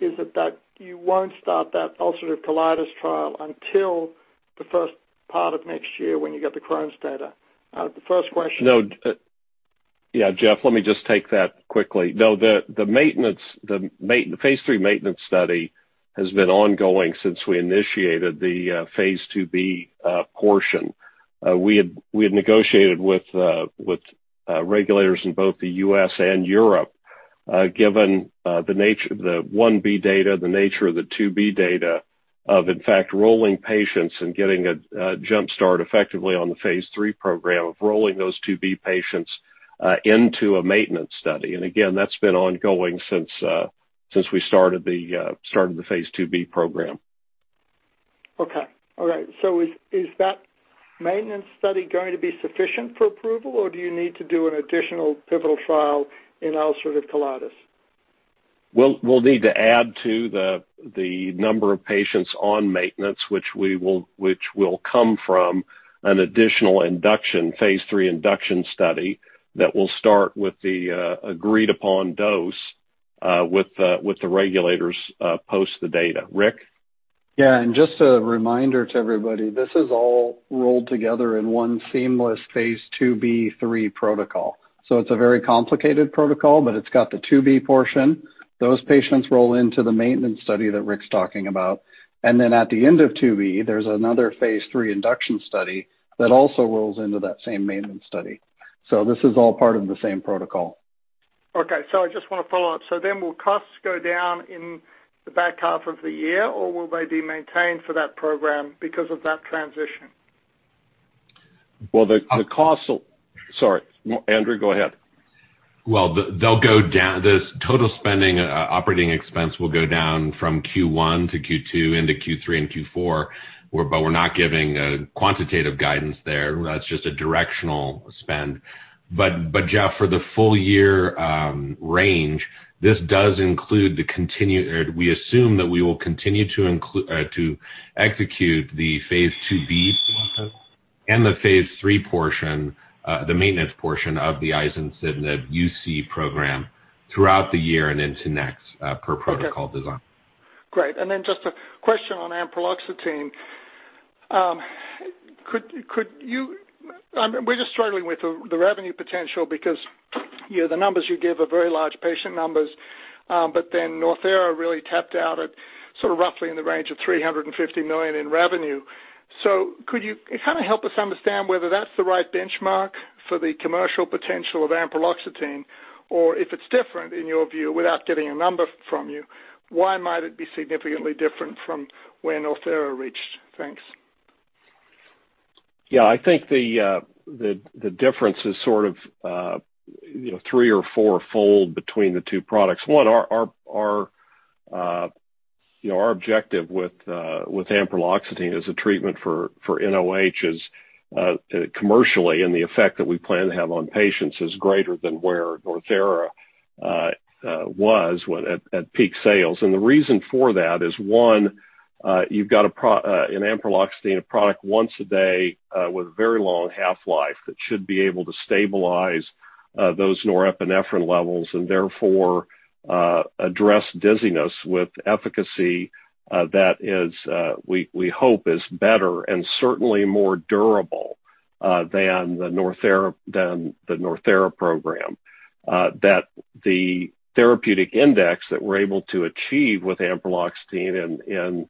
S9: is it that you won't start that ulcerative colitis trial until the first part of next year when you get the Crohn's data?
S3: No. Yeah. Geoffrey, let me just take that quickly. No, the phase III maintenance study has been ongoing since we initiated the phase II-B portion. We had negotiated with regulators in both the U.S. and Europe given the I-B data, the nature of the phase II-B data of, in fact, rolling patients and getting a jumpstart effectively on the phase III program of rolling those phase II-B patients into a maintenance study. Again, that's been ongoing since we started the phase II-B program.
S9: Okay. All right. Is that maintenance study going to be sufficient for approval, or do you need to do an additional pivotal trial in ulcerative colitis?
S3: We'll need to add to the number of patients on maintenance, which will come from an additional phase III induction study that will start with the agreed-upon dose with the regulators post the data. Rick?
S4: Yeah. Just a reminder to everybody, this is all rolled together in one seamless phase II-B/phase III protocol. It's a very complicated protocol, but it's got the phase II-B portion. Those patients roll into the maintenance study that Rick's talking about. At the end of phase II-B, there's another phase III induction study that also rolls into that same maintenance study. This is all part of the same protocol.
S9: Okay. I just want to follow up. Will costs go down in the back half of the year, or will they be maintained for that program because of that transition?
S3: Well, Sorry, Andrew. Go ahead.
S6: Well, the total spending operating expense will go down from Q1 to Q2 into Q3 and Q4. We're not giving a quantitative guidance there. That's just a directional spend. Geoffrey, for the full year range, this does include the We assume that we will continue to execute the phase II-B and the phase III portion, the maintenance portion of the izencitinib UC program throughout the year and into next per protocol design.
S9: Okay. Great. Just a question on ampreloxetine. We're just struggling with the revenue potential because the numbers you give are very large patient numbers. Northera really tapped out at sort of roughly in the range of $350 million in revenue. Could you kind of help us understand whether that's the right benchmark for the commercial potential of ampreloxetine? If it's different in your view, without getting a number from you, why might it be significantly different from where Northera reached? Thanks.
S3: Yeah. I think the difference is sort of three or fourfold between the two products. One, our objective with ampreloxetine as a treatment for nOH is commercially, and the effect that we plan to have on patients is greater than where Northera was at peak sales. The reason for that is one, you've got in ampreloxetine a product once a day with a very long half-life that should be able to stabilize those norepinephrine levels and therefore address dizziness with efficacy that we hope is better and certainly more durable than the Northera program. The therapeutic index that we're able to achieve with ampreloxetine in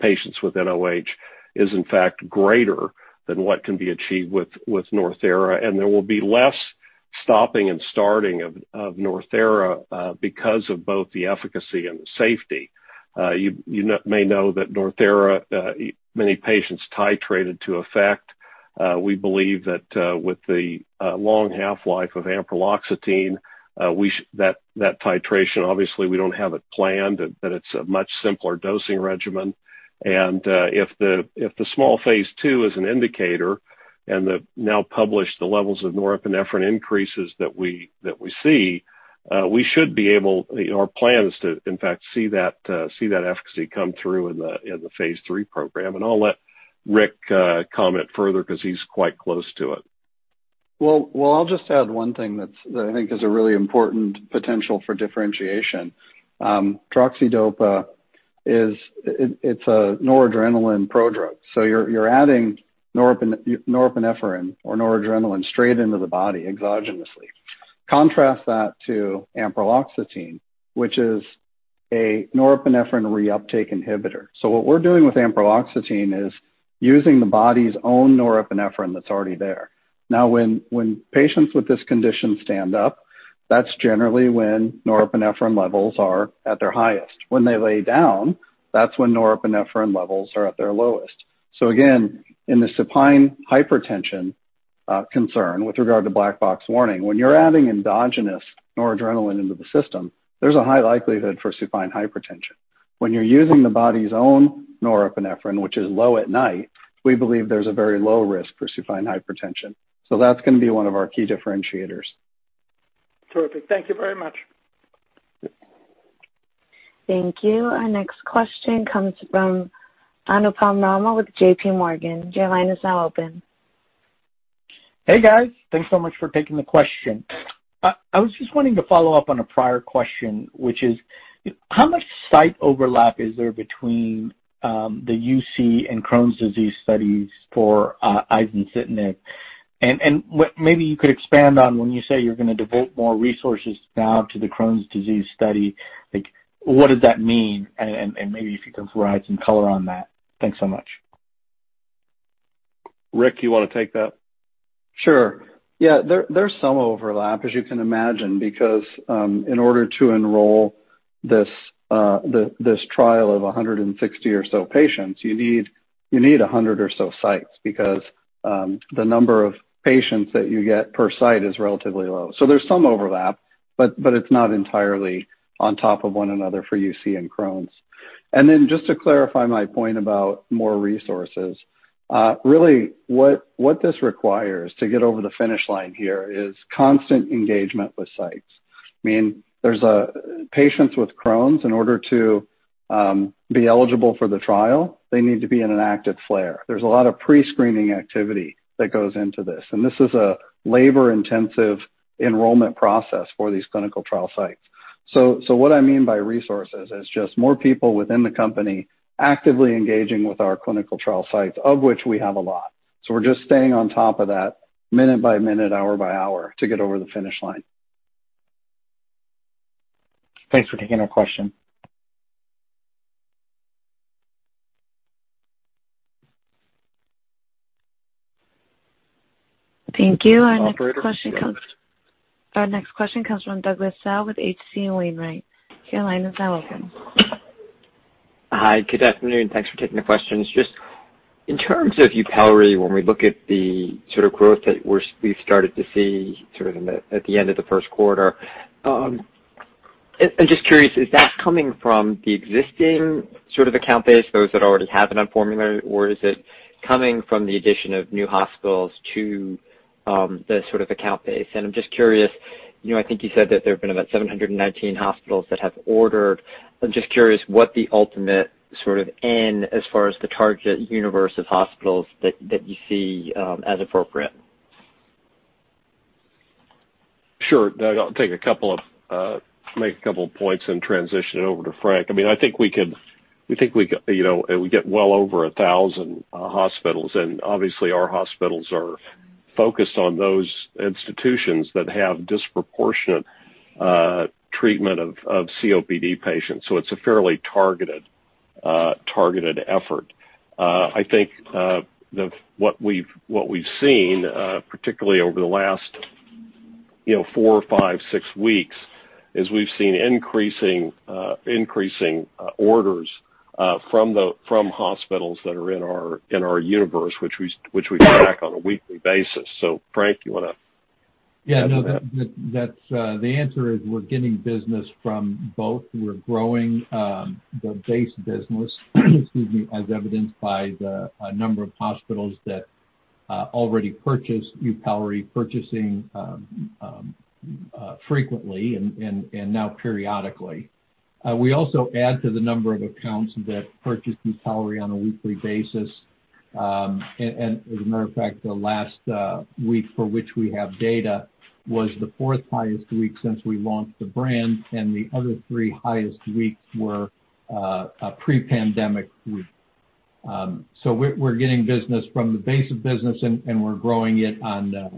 S3: patients with nOH is, in fact, greater than what can be achieved with Northera, and there will be less stopping and starting of Northera because of both the efficacy and the safety. You may know that Northera, many patients titrated to effect. We believe that with the long half-life of ampreloxetine, that titration, obviously, we don't have it planned, but it's a much simpler dosing regimen. If the small phase II is an indicator and the now published the levels of norepinephrine increases that we see, our plan is to, in fact, see that efficacy come through in the phase III program. I'll let Rick comment further because he's quite close to it.
S4: I'll just add one thing that I think is a really important potential for differentiation. Droxidopa, it's a noradrenaline prodrug, you're adding norepinephrine or noradrenaline straight into the body exogenously. Contrast that to ampreloxetine, which is a norepinephrine reuptake inhibitor. What we're doing with ampreloxetine is using the body's own norepinephrine that's already there. When patients with this condition stand up, that's generally when norepinephrine levels are at their highest. When they lay down, that's when norepinephrine levels are at their lowest. Again, in the supine hypertension-concern with regard to black box warning. When you're adding endogenous noradrenaline into the system, there's a high likelihood for supine hypertension. When you're using the body's own norepinephrine, which is low at night, we believe there's a very low risk for supine hypertension. That's going to be one of our key differentiators.
S9: Terrific. Thank you very much.
S1: Thank you. Our next question comes from Anupam Rama with JPMorgan. Your line is now open.
S10: Hey, guys. Thanks so much for taking the question. I was just wanting to follow up on a prior question, which is how much site overlap is there between the UC and Crohn's disease studies for izencitinib? Maybe you could expand on when you say you're going to devote more resources now to the Crohn's disease study, what does that mean? Maybe if you can provide some color on that. Thanks so much.
S3: Rick, you want to take that?
S4: Sure. Yeah. There's some overlap, as you can imagine, because in order to enroll this trial of 160 or so patients, you need 100 or so sites because the number of patients that you get per site is relatively low. There's some overlap, but it's not entirely on top of one another for UC and Crohn's. Just to clarify my point about more resources, really what this requires to get over the finish line here is constant engagement with sites. I mean, there's patients with Crohn's, in order to be eligible for the trial, they need to be in an active flare. There's a lot of pre-screening activity that goes into this, and this is a labor-intensive enrollment process for these clinical trial sites. What I mean by resources is just more people within the company actively engaging with our clinical trial sites, of which we have a lot. We're just staying on top of that minute by minute, hour by hour to get over the finish line.
S10: Thanks for taking our question.
S1: Thank you.
S3: Operator.
S1: Our next question comes from Douglas Tsao with H.C. Wainwright. Your line is now open.
S11: Hi. Good afternoon. Thanks for taking the questions. Just in terms of YUPELRI, when we look at the sort of growth that we've started to see sort of at the end of the first quarter, I'm just curious, is that coming from the existing sort of account base, those that already have it on formulary? Or is it coming from the addition of new hospitals to the sort of account base? I'm just curious, I think you said that there have been about 719 hospitals that have ordered. I'm just curious what the ultimate sort of end, as far as the target universe of hospitals that you see as appropriate.
S3: Sure. Doug, I'll make a couple of points and transition it over to Frank. I mean, I think we get well over 1,000 hospitals, and obviously our hospitals are focused on those institutions that have disproportionate treatment of COPD patients. It's a fairly targeted effort. I think what we've seen, particularly over the last four or five, six weeks, is we've seen increasing orders from hospitals that are in our universe, which we track on a weekly basis. Frank, you want to add to that?
S5: Yeah. No, the answer is we're getting business from both. We're growing the base business, excuse me, as evidenced by the number of hospitals that already purchase YUPELRI purchasing frequently and now periodically. We also add to the number of accounts that purchase YUPELRI on a weekly basis. As a matter of fact, the last week for which we have data was the fourth highest week since we launched the brand, and the other three highest weeks were pre-pandemic weeks. We're getting business from the base of business, and we're growing it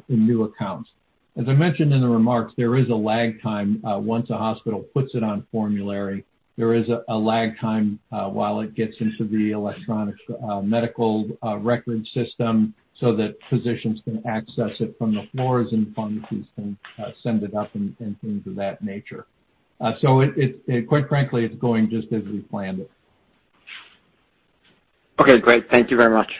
S5: in new accounts. As I mentioned in the remarks, there is a lag time once a hospital puts it on formulary. There is a lag time while it gets into the electronic medical record system so that physicians can access it from the floors and pharmacies can send it up and things of that nature. Quite frankly, it's going just as we planned it.
S11: Okay, great. Thank you very much.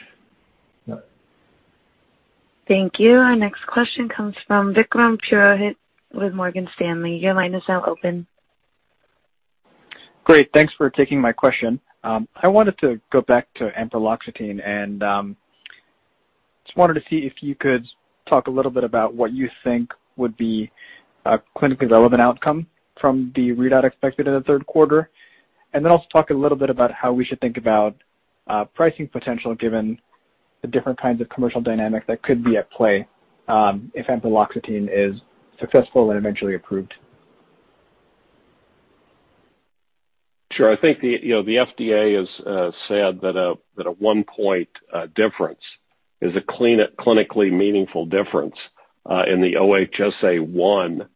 S5: Yeah.
S1: Thank you. Our next question comes from Vikram Purohit with Morgan Stanley.
S12: Great. Thanks for taking my question. I wanted to go back to ampreloxetine and just wanted to see if you could talk a little bit about what you think would be a clinically relevant outcome from the readout expected in the third quarter, and then also talk a little bit about how we should think about pricing potential given the different kinds of commercial dynamics that could be at play if ampreloxetine is successful and eventually approved.
S3: Sure. I think the FDA has said that a one point difference is a clinically meaningful difference in the OHSA one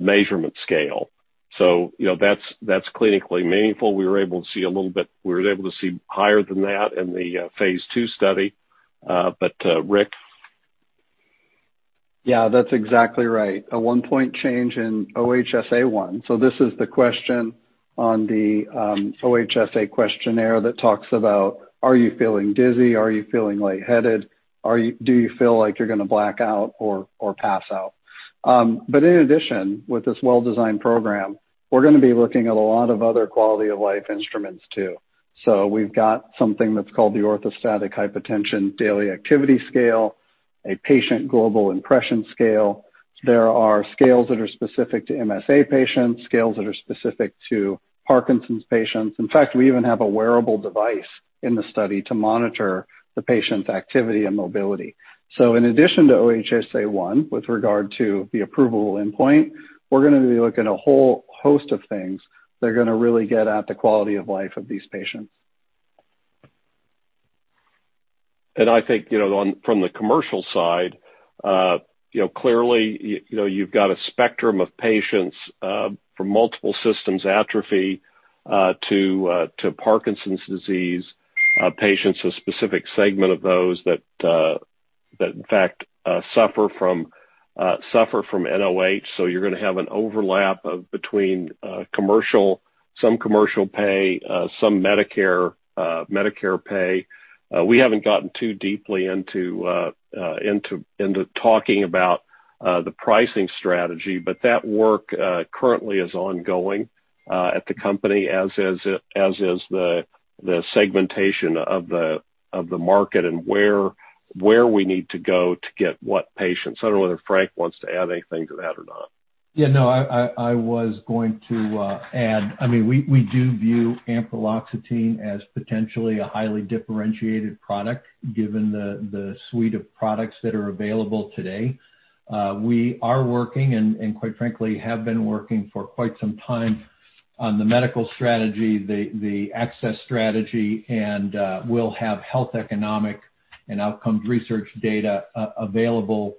S3: measurement scale. That's clinically meaningful. We were able to see higher than that in the phase II study. Rick?
S4: Yeah, that's exactly right. A one-point change in OHSA one. This is the question on the OHSA questionnaire that talks about are you feeling dizzy. Are you feeling lightheaded. Do you feel like you're going to black out or pass out. In addition, with this well-designed program, we're going to be looking at a lot of other quality of life instruments too. We've got something that's called the Orthostatic Hypotension Daily Activity Scale, a Patient Global Impression Scale. There are scales that are specific to MSA patients, scales that are specific to Parkinson's patients. In fact, we even have a wearable device in the study to monitor the patient's activity and mobility. In addition to OHSA one, with regard to the approval endpoint, we're going to be looking at a whole host of things that are going to really get at the quality of life of these patients.
S3: I think, from the commercial side, clearly, you've got a spectrum of patients, from multiple system atrophy to Parkinson's disease patients, a specific segment of those that in fact suffer from nOH. You're going to have an overlap between some commercial pay, some Medicare pay. We haven't gotten too deeply into talking about the pricing strategy. That work currently is ongoing at the company, as is the segmentation of the market and where we need to go to get what patients. I don't know whether Frank wants to add anything to that or not.
S5: Yeah, no, I was going to add. We do view ampreloxetine as potentially a highly differentiated product, given the suite of products that are available today. We are working, and quite frankly, have been working for quite some time on the medical strategy, the access strategy, and we'll have health, economic, and outcomes research data available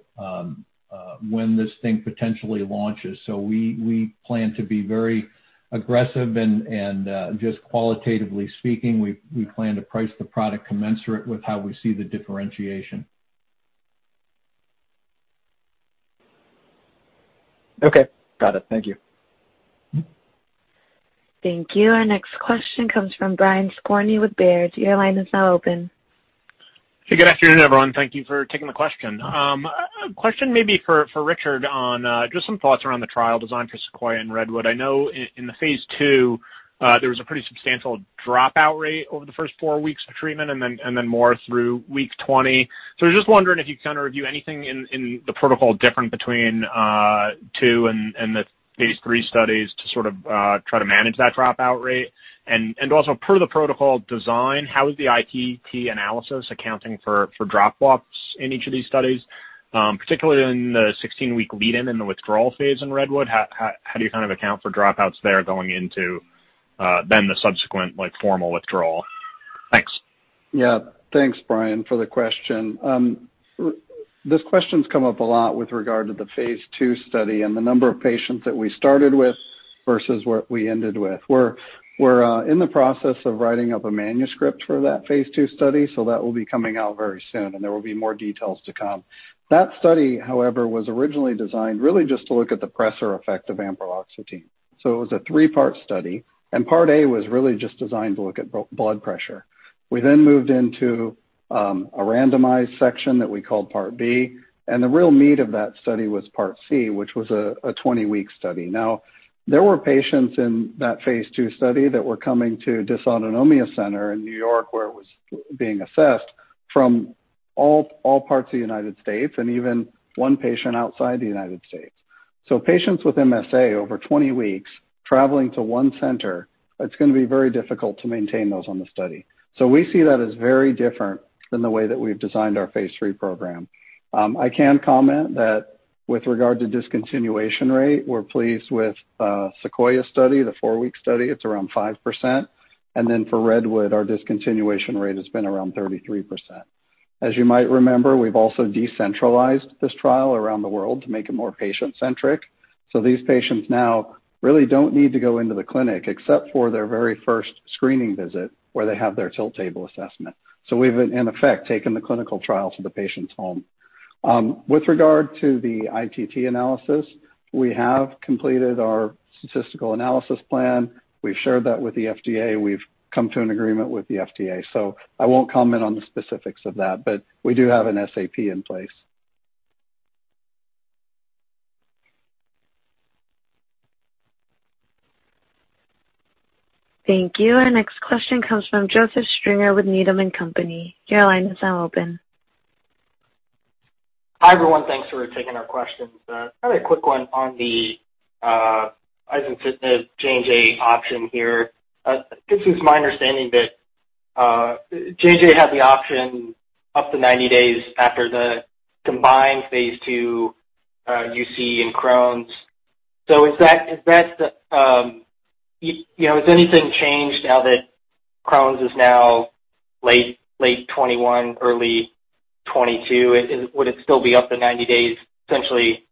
S5: when this thing potentially launches. We plan to be very aggressive and just qualitatively speaking, we plan to price the product commensurate with how we see the differentiation.
S12: Okay. Got it. Thank you.
S1: Thank you. Our next question comes from Brian Skorney with Baird. Your line is now open.
S13: Hey, good afternoon, everyone. Thank you for taking the question. A question maybe for Rick Graham on just some thoughts around the trial design for SEQUOIA and REDWOOD. I know in the phase II, there was a pretty substantial dropout rate over the first four weeks of treatment, and then more through week 20. I was just wondering if you can review anything in the protocol different between phase II and the phase III studies to sort of try to manage that dropout rate. Also per the protocol design, how is the ITT analysis accounting for drop-offs in each of these studies? Particularly in the 16-week lead-in, in the withdrawal phase in REDWOOD, how do you account for dropouts there going into then the subsequent formal withdrawal? Thanks.
S4: Thanks, Brian, for the question. This question's come up a lot with regard to the phase II study and the number of patients that we started with versus what we ended with. We're in the process of writing up a manuscript for that phase II study, that will be coming out very soon, and there will be more details to come. That study, however, was originally designed really just to look at the pressor effect of ampreloxetine. It was a three-part study, and part A was really just designed to look at blood pressure. We moved into a randomized section that we called part B, and the real meat of that study was part C, which was a 20-week study. There were patients in that phase II study that were coming to Dysautonomia Center in New York, where it was being assessed from all parts of the U.S., and even one patient outside the U.S. Patients with MSA over 20 weeks traveling to one center, it's going to be very difficult to maintain those on the study. We see that as very different than the way that we've designed our phase III program. I can comment that with regard to discontinuation rate, we're pleased with SEQUOIA study, the four-week study. It's around 5%. For REDWOOD, our discontinuation rate has been around 33%. As you might remember, we've also decentralized this trial around the world to make it more patient-centric. These patients now really don't need to go into the clinic except for their very first screening visit where they have their tilt table assessment. We've in effect, taken the clinical trial to the patient's home. With regard to the ITT analysis, we have completed our statistical analysis plan. We've shared that with the FDA. We've come to an agreement with the FDA. I won't comment on the specifics of that, but we do have an SAP in place.
S1: Thank you. Our next question comes from Joseph Stringer with Needham & Company. Your line is now open.
S14: Hi, everyone. Thanks for taking our questions. Kind of a quick one on the izencitinib-J&J option here. This is my understanding that J&J had the option up to 90 days after the combined phase II UC and Crohn's. Has anything changed now that Crohn's is now late 2021, early 2022? Would it still be up to 90 days essentially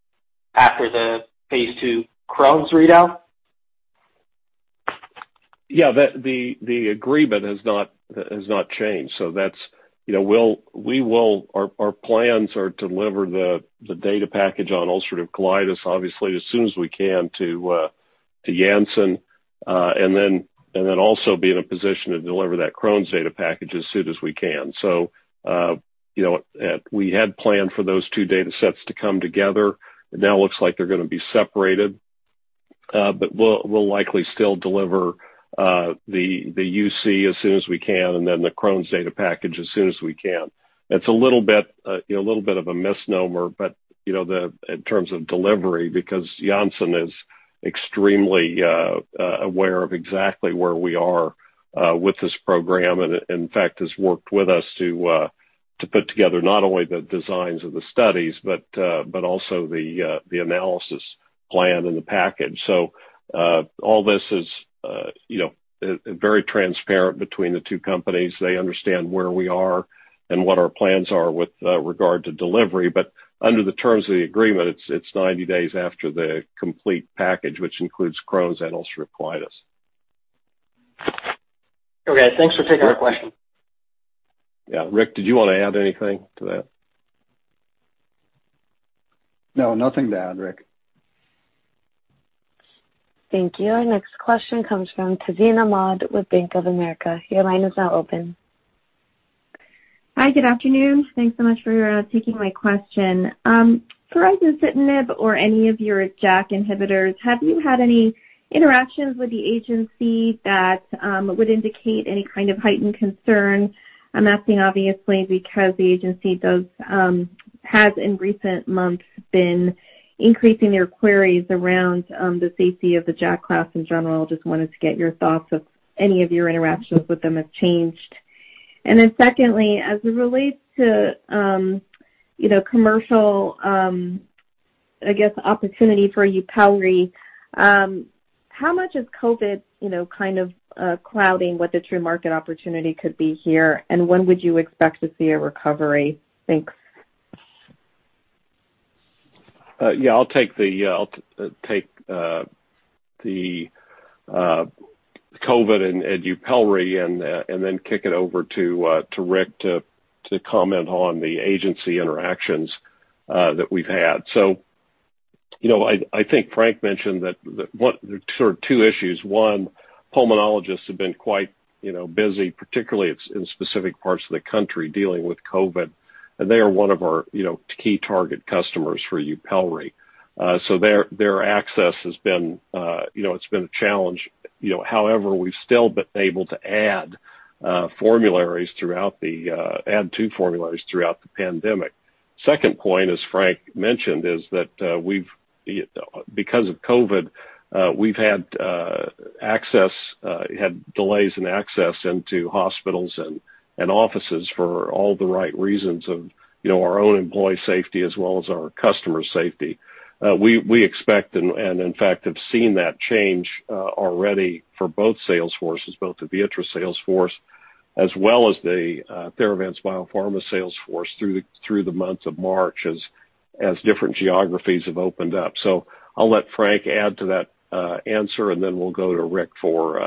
S14: after the phase II Crohn's readout?
S3: The agreement has not changed. Our plans are to deliver the data package on ulcerative colitis, obviously, as soon as we can to Janssen, and then also be in a position to deliver that Crohn's data package as soon as we can. We had planned for those two data sets to come together. It now looks like they're going to be separated. We'll likely still deliver the UC as soon as we can, and then the Crohn's data package as soon as we can. It's a little bit of a misnomer in terms of delivery, because Janssen is extremely aware of exactly where we are with this program, and in fact, has worked with us to put together not only the designs of the studies, but also the analysis plan and the package. All this is very transparent between the two companies. They understand where we are and what our plans are with regard to delivery. Under the terms of the agreement, it's 90 days after the complete package, which includes Crohn's and ulcerative colitis.
S14: Okay. Thanks for taking my question.
S3: Yeah. Rick, did you want to add anything to that?
S4: No, nothing to add, Rick.
S1: Thank you. Our next question comes from Tazeen Ahmad with Bank of America. Your line is now open.
S15: Hi, good afternoon. Thanks so much for taking my question. [Baricitinib] or any of your JAK inhibitors, have you had any interactions with the Agency that would indicate any kind of heightened concern? I'm asking, obviously, because the Agency has, in recent months, been increasing their queries around the safety of the JAK class in general. Just wanted to get your thoughts if any of your interactions with them have changed. Secondly, as it relates to commercial opportunity for YUPELRI, how much is COVID clouding what the true market opportunity could be here, and when would you expect to see a recovery? Thanks.
S3: I'll take the COVID and YUPELRI and kick it over to Rick to comment on the agency interactions that we've had. I think Frank mentioned that there are two issues. One, pulmonologists have been quite busy, particularly in specific parts of the country dealing with COVID, they are one of our key target customers for YUPELRI. Their access has been a challenge. However, we've still been able to add two formularies throughout the pandemic. Second point, as Frank mentioned, is that because of COVID, we've had delays in access into hospitals and offices for all the right reasons of our own employee safety as well as our customer safety. We expect and, in fact, have seen that change already for both sales forces, both the Viatris sales force as well as the Theravance Biopharma sales force through the month of March as different geographies have opened up. I'll let Frank add to that answer, and then we'll go to Rick for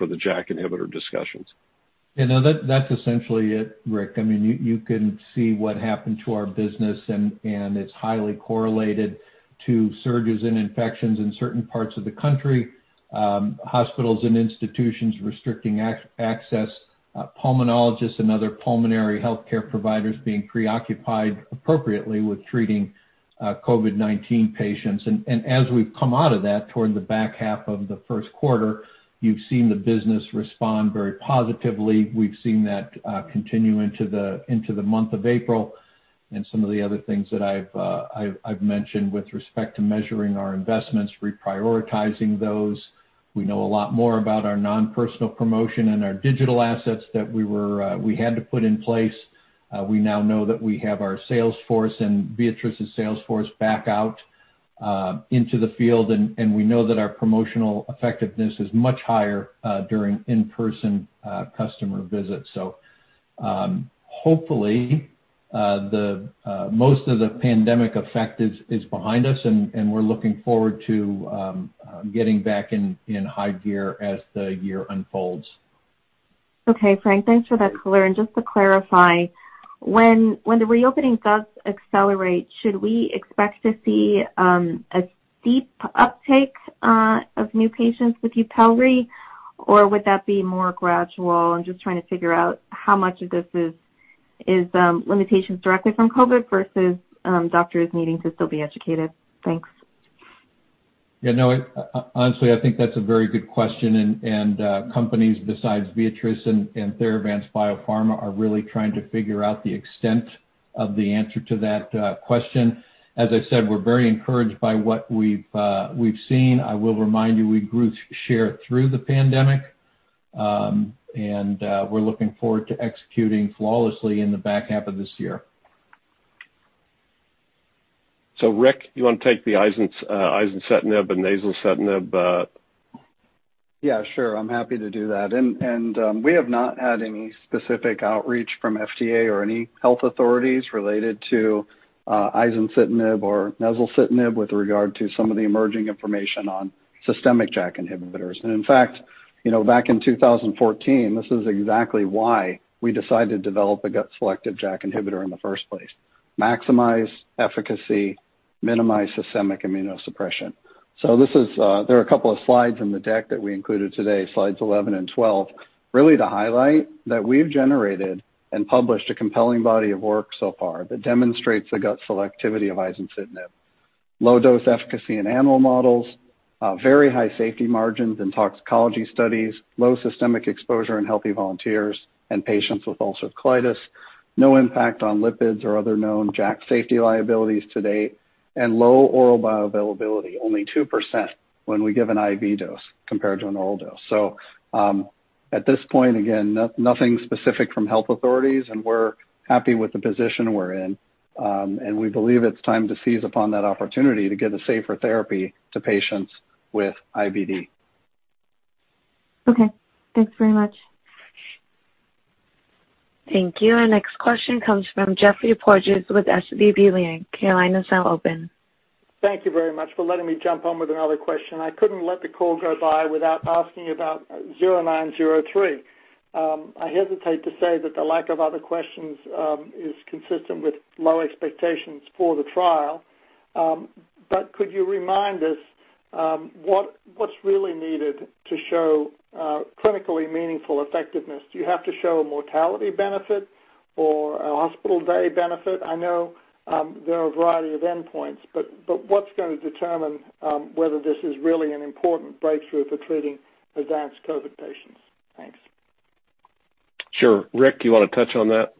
S3: the JAK inhibitor discussions.
S5: Yeah, no, that's essentially it, Rick. You can see what happened to our business, and it's highly correlated to surges in infections in certain parts of the country, hospitals and institutions restricting access, pulmonologists and other pulmonary healthcare providers being preoccupied appropriately with treating COVID-19 patients. As we've come out of that toward the back half of the first quarter, you've seen the business respond very positively. We've seen that continue into the month of April and some of the other things that I've mentioned with respect to measuring our investments, reprioritizing those. We know a lot more about our non-personal promotion and our digital assets that we had to put in place. We now know that we have our sales force and Viatris' sales force back out into the field, and we know that our promotional effectiveness is much higher during in-person customer visits. Hopefully, most of the pandemic effect is behind us, and we're looking forward to getting back in high gear as the year unfolds.
S15: Okay, Frank, thanks for that color. Just to clarify, when the reopening does accelerate, should we expect to see a steep uptake of new patients with YUPELRI, or would that be more gradual? I'm just trying to figure out how much of this is limitations directly from COVID-19 versus doctors needing to still be educated. Thanks.
S5: Yeah, no, honestly, I think that's a very good question. Companies besides Viatris and Theravance Biopharma are really trying to figure out the extent of the answer to that question. As I said, we're very encouraged by what we've seen. I will remind you, we grew share through the pandemic. We're looking forward to executing flawlessly in the back half of this year.
S3: Rick, you want to take the izencitinib and nezulcitinib?
S4: Yeah, sure. I'm happy to do that. We have not had any specific outreach from FDA or any health authorities related to izencitinib or nezulcitinib with regard to some of the emerging information on systemic JAK inhibitors. In fact, back in 2014, this is exactly why we decided to develop a gut-selective JAK inhibitor in the first place. Maximize efficacy, minimize systemic immunosuppression. There are a couple of slides in the deck that we included today, slides 11 and 12, really to highlight that we've generated and published a compelling body of work so far that demonstrates the gut selectivity of izencitinib. Low dose efficacy in animal models, very high safety margins in toxicology studies, low systemic exposure in healthy volunteers and patients with ulcerative colitis, no impact on lipids or other known JAK safety liabilities to date, and low oral bioavailability, only 2% when we give an IV dose compared to an oral dose. At this point, again, nothing specific from health authorities, and we're happy with the position we're in. We believe it's time to seize upon that opportunity to give a safer therapy to patients with IBD.
S15: Okay. Thanks very much.
S1: Thank you. Our next question comes from Geoffrey Porges with SVB Leerink. Your line is now open.
S9: Thank you very much for letting me jump on with another question. I couldn't let the call go by without asking about TD-0903. I hesitate to say that the lack of other questions is consistent with low expectations for the trial. Could you remind us what's really needed to show clinically meaningful effectiveness? Do you have to show a mortality benefit or a hospital day benefit? I know there are a variety of endpoints, but what's going to determine whether this is really an important breakthrough for treating advanced COVID patients? Thanks.
S3: Sure. Rick, you want to touch on that?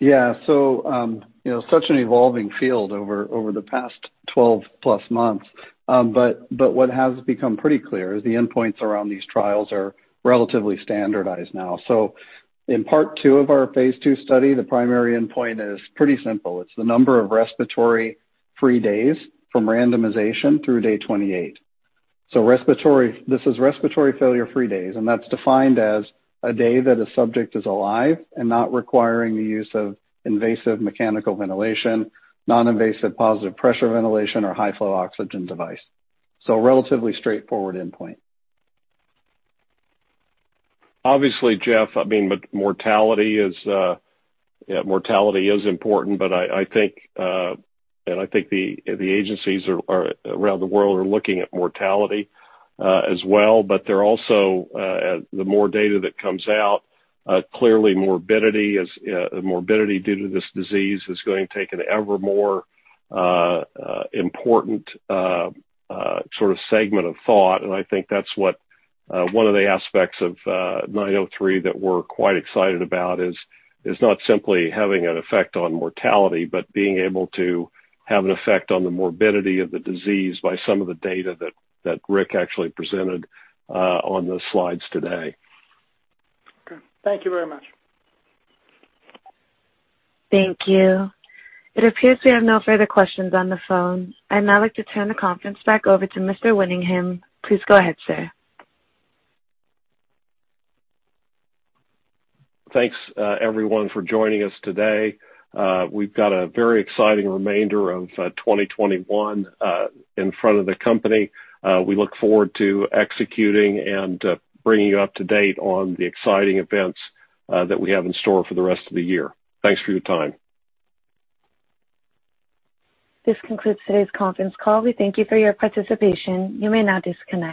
S4: Yeah. Such an evolving field over the past 12+ months. What has become pretty clear is the endpoints around these trials are relatively standardized now. In part II of our phase II study, the primary endpoint is pretty simple. It's the number of respiratory-free days from randomization through day 28. This is respiratory failure-free days, and that's defined as a day that a subject is alive and not requiring the use of invasive mechanical ventilation, non-invasive positive pressure ventilation, or high-flow oxygen device. Relatively straightforward endpoint.
S3: Obviously, Geoffrey, mortality is important, but I think the agencies around the world are looking at mortality as well. The more data that comes out, clearly morbidity due to this disease is going to take an ever more important sort of segment of thought, and I think that's one of the aspects of 903 that we're quite excited about is not simply having an effect on mortality, but being able to have an effect on the morbidity of the disease by some of the data that Rick actually presented on the slides today.
S9: Okay. Thank you very much.
S1: Thank you. It appears we have no further questions on the phone. I'd now like to turn the conference back over to Mr. Winningham. Please go ahead, sir.
S3: Thanks, everyone, for joining us today. We've got a very exciting remainder of 2021 in front of the company. We look forward to executing and bringing you up to date on the exciting events that we have in store for the rest of the year. Thanks for your time.
S1: This concludes today's conference call. We thank you for your participation. You may now disconnect.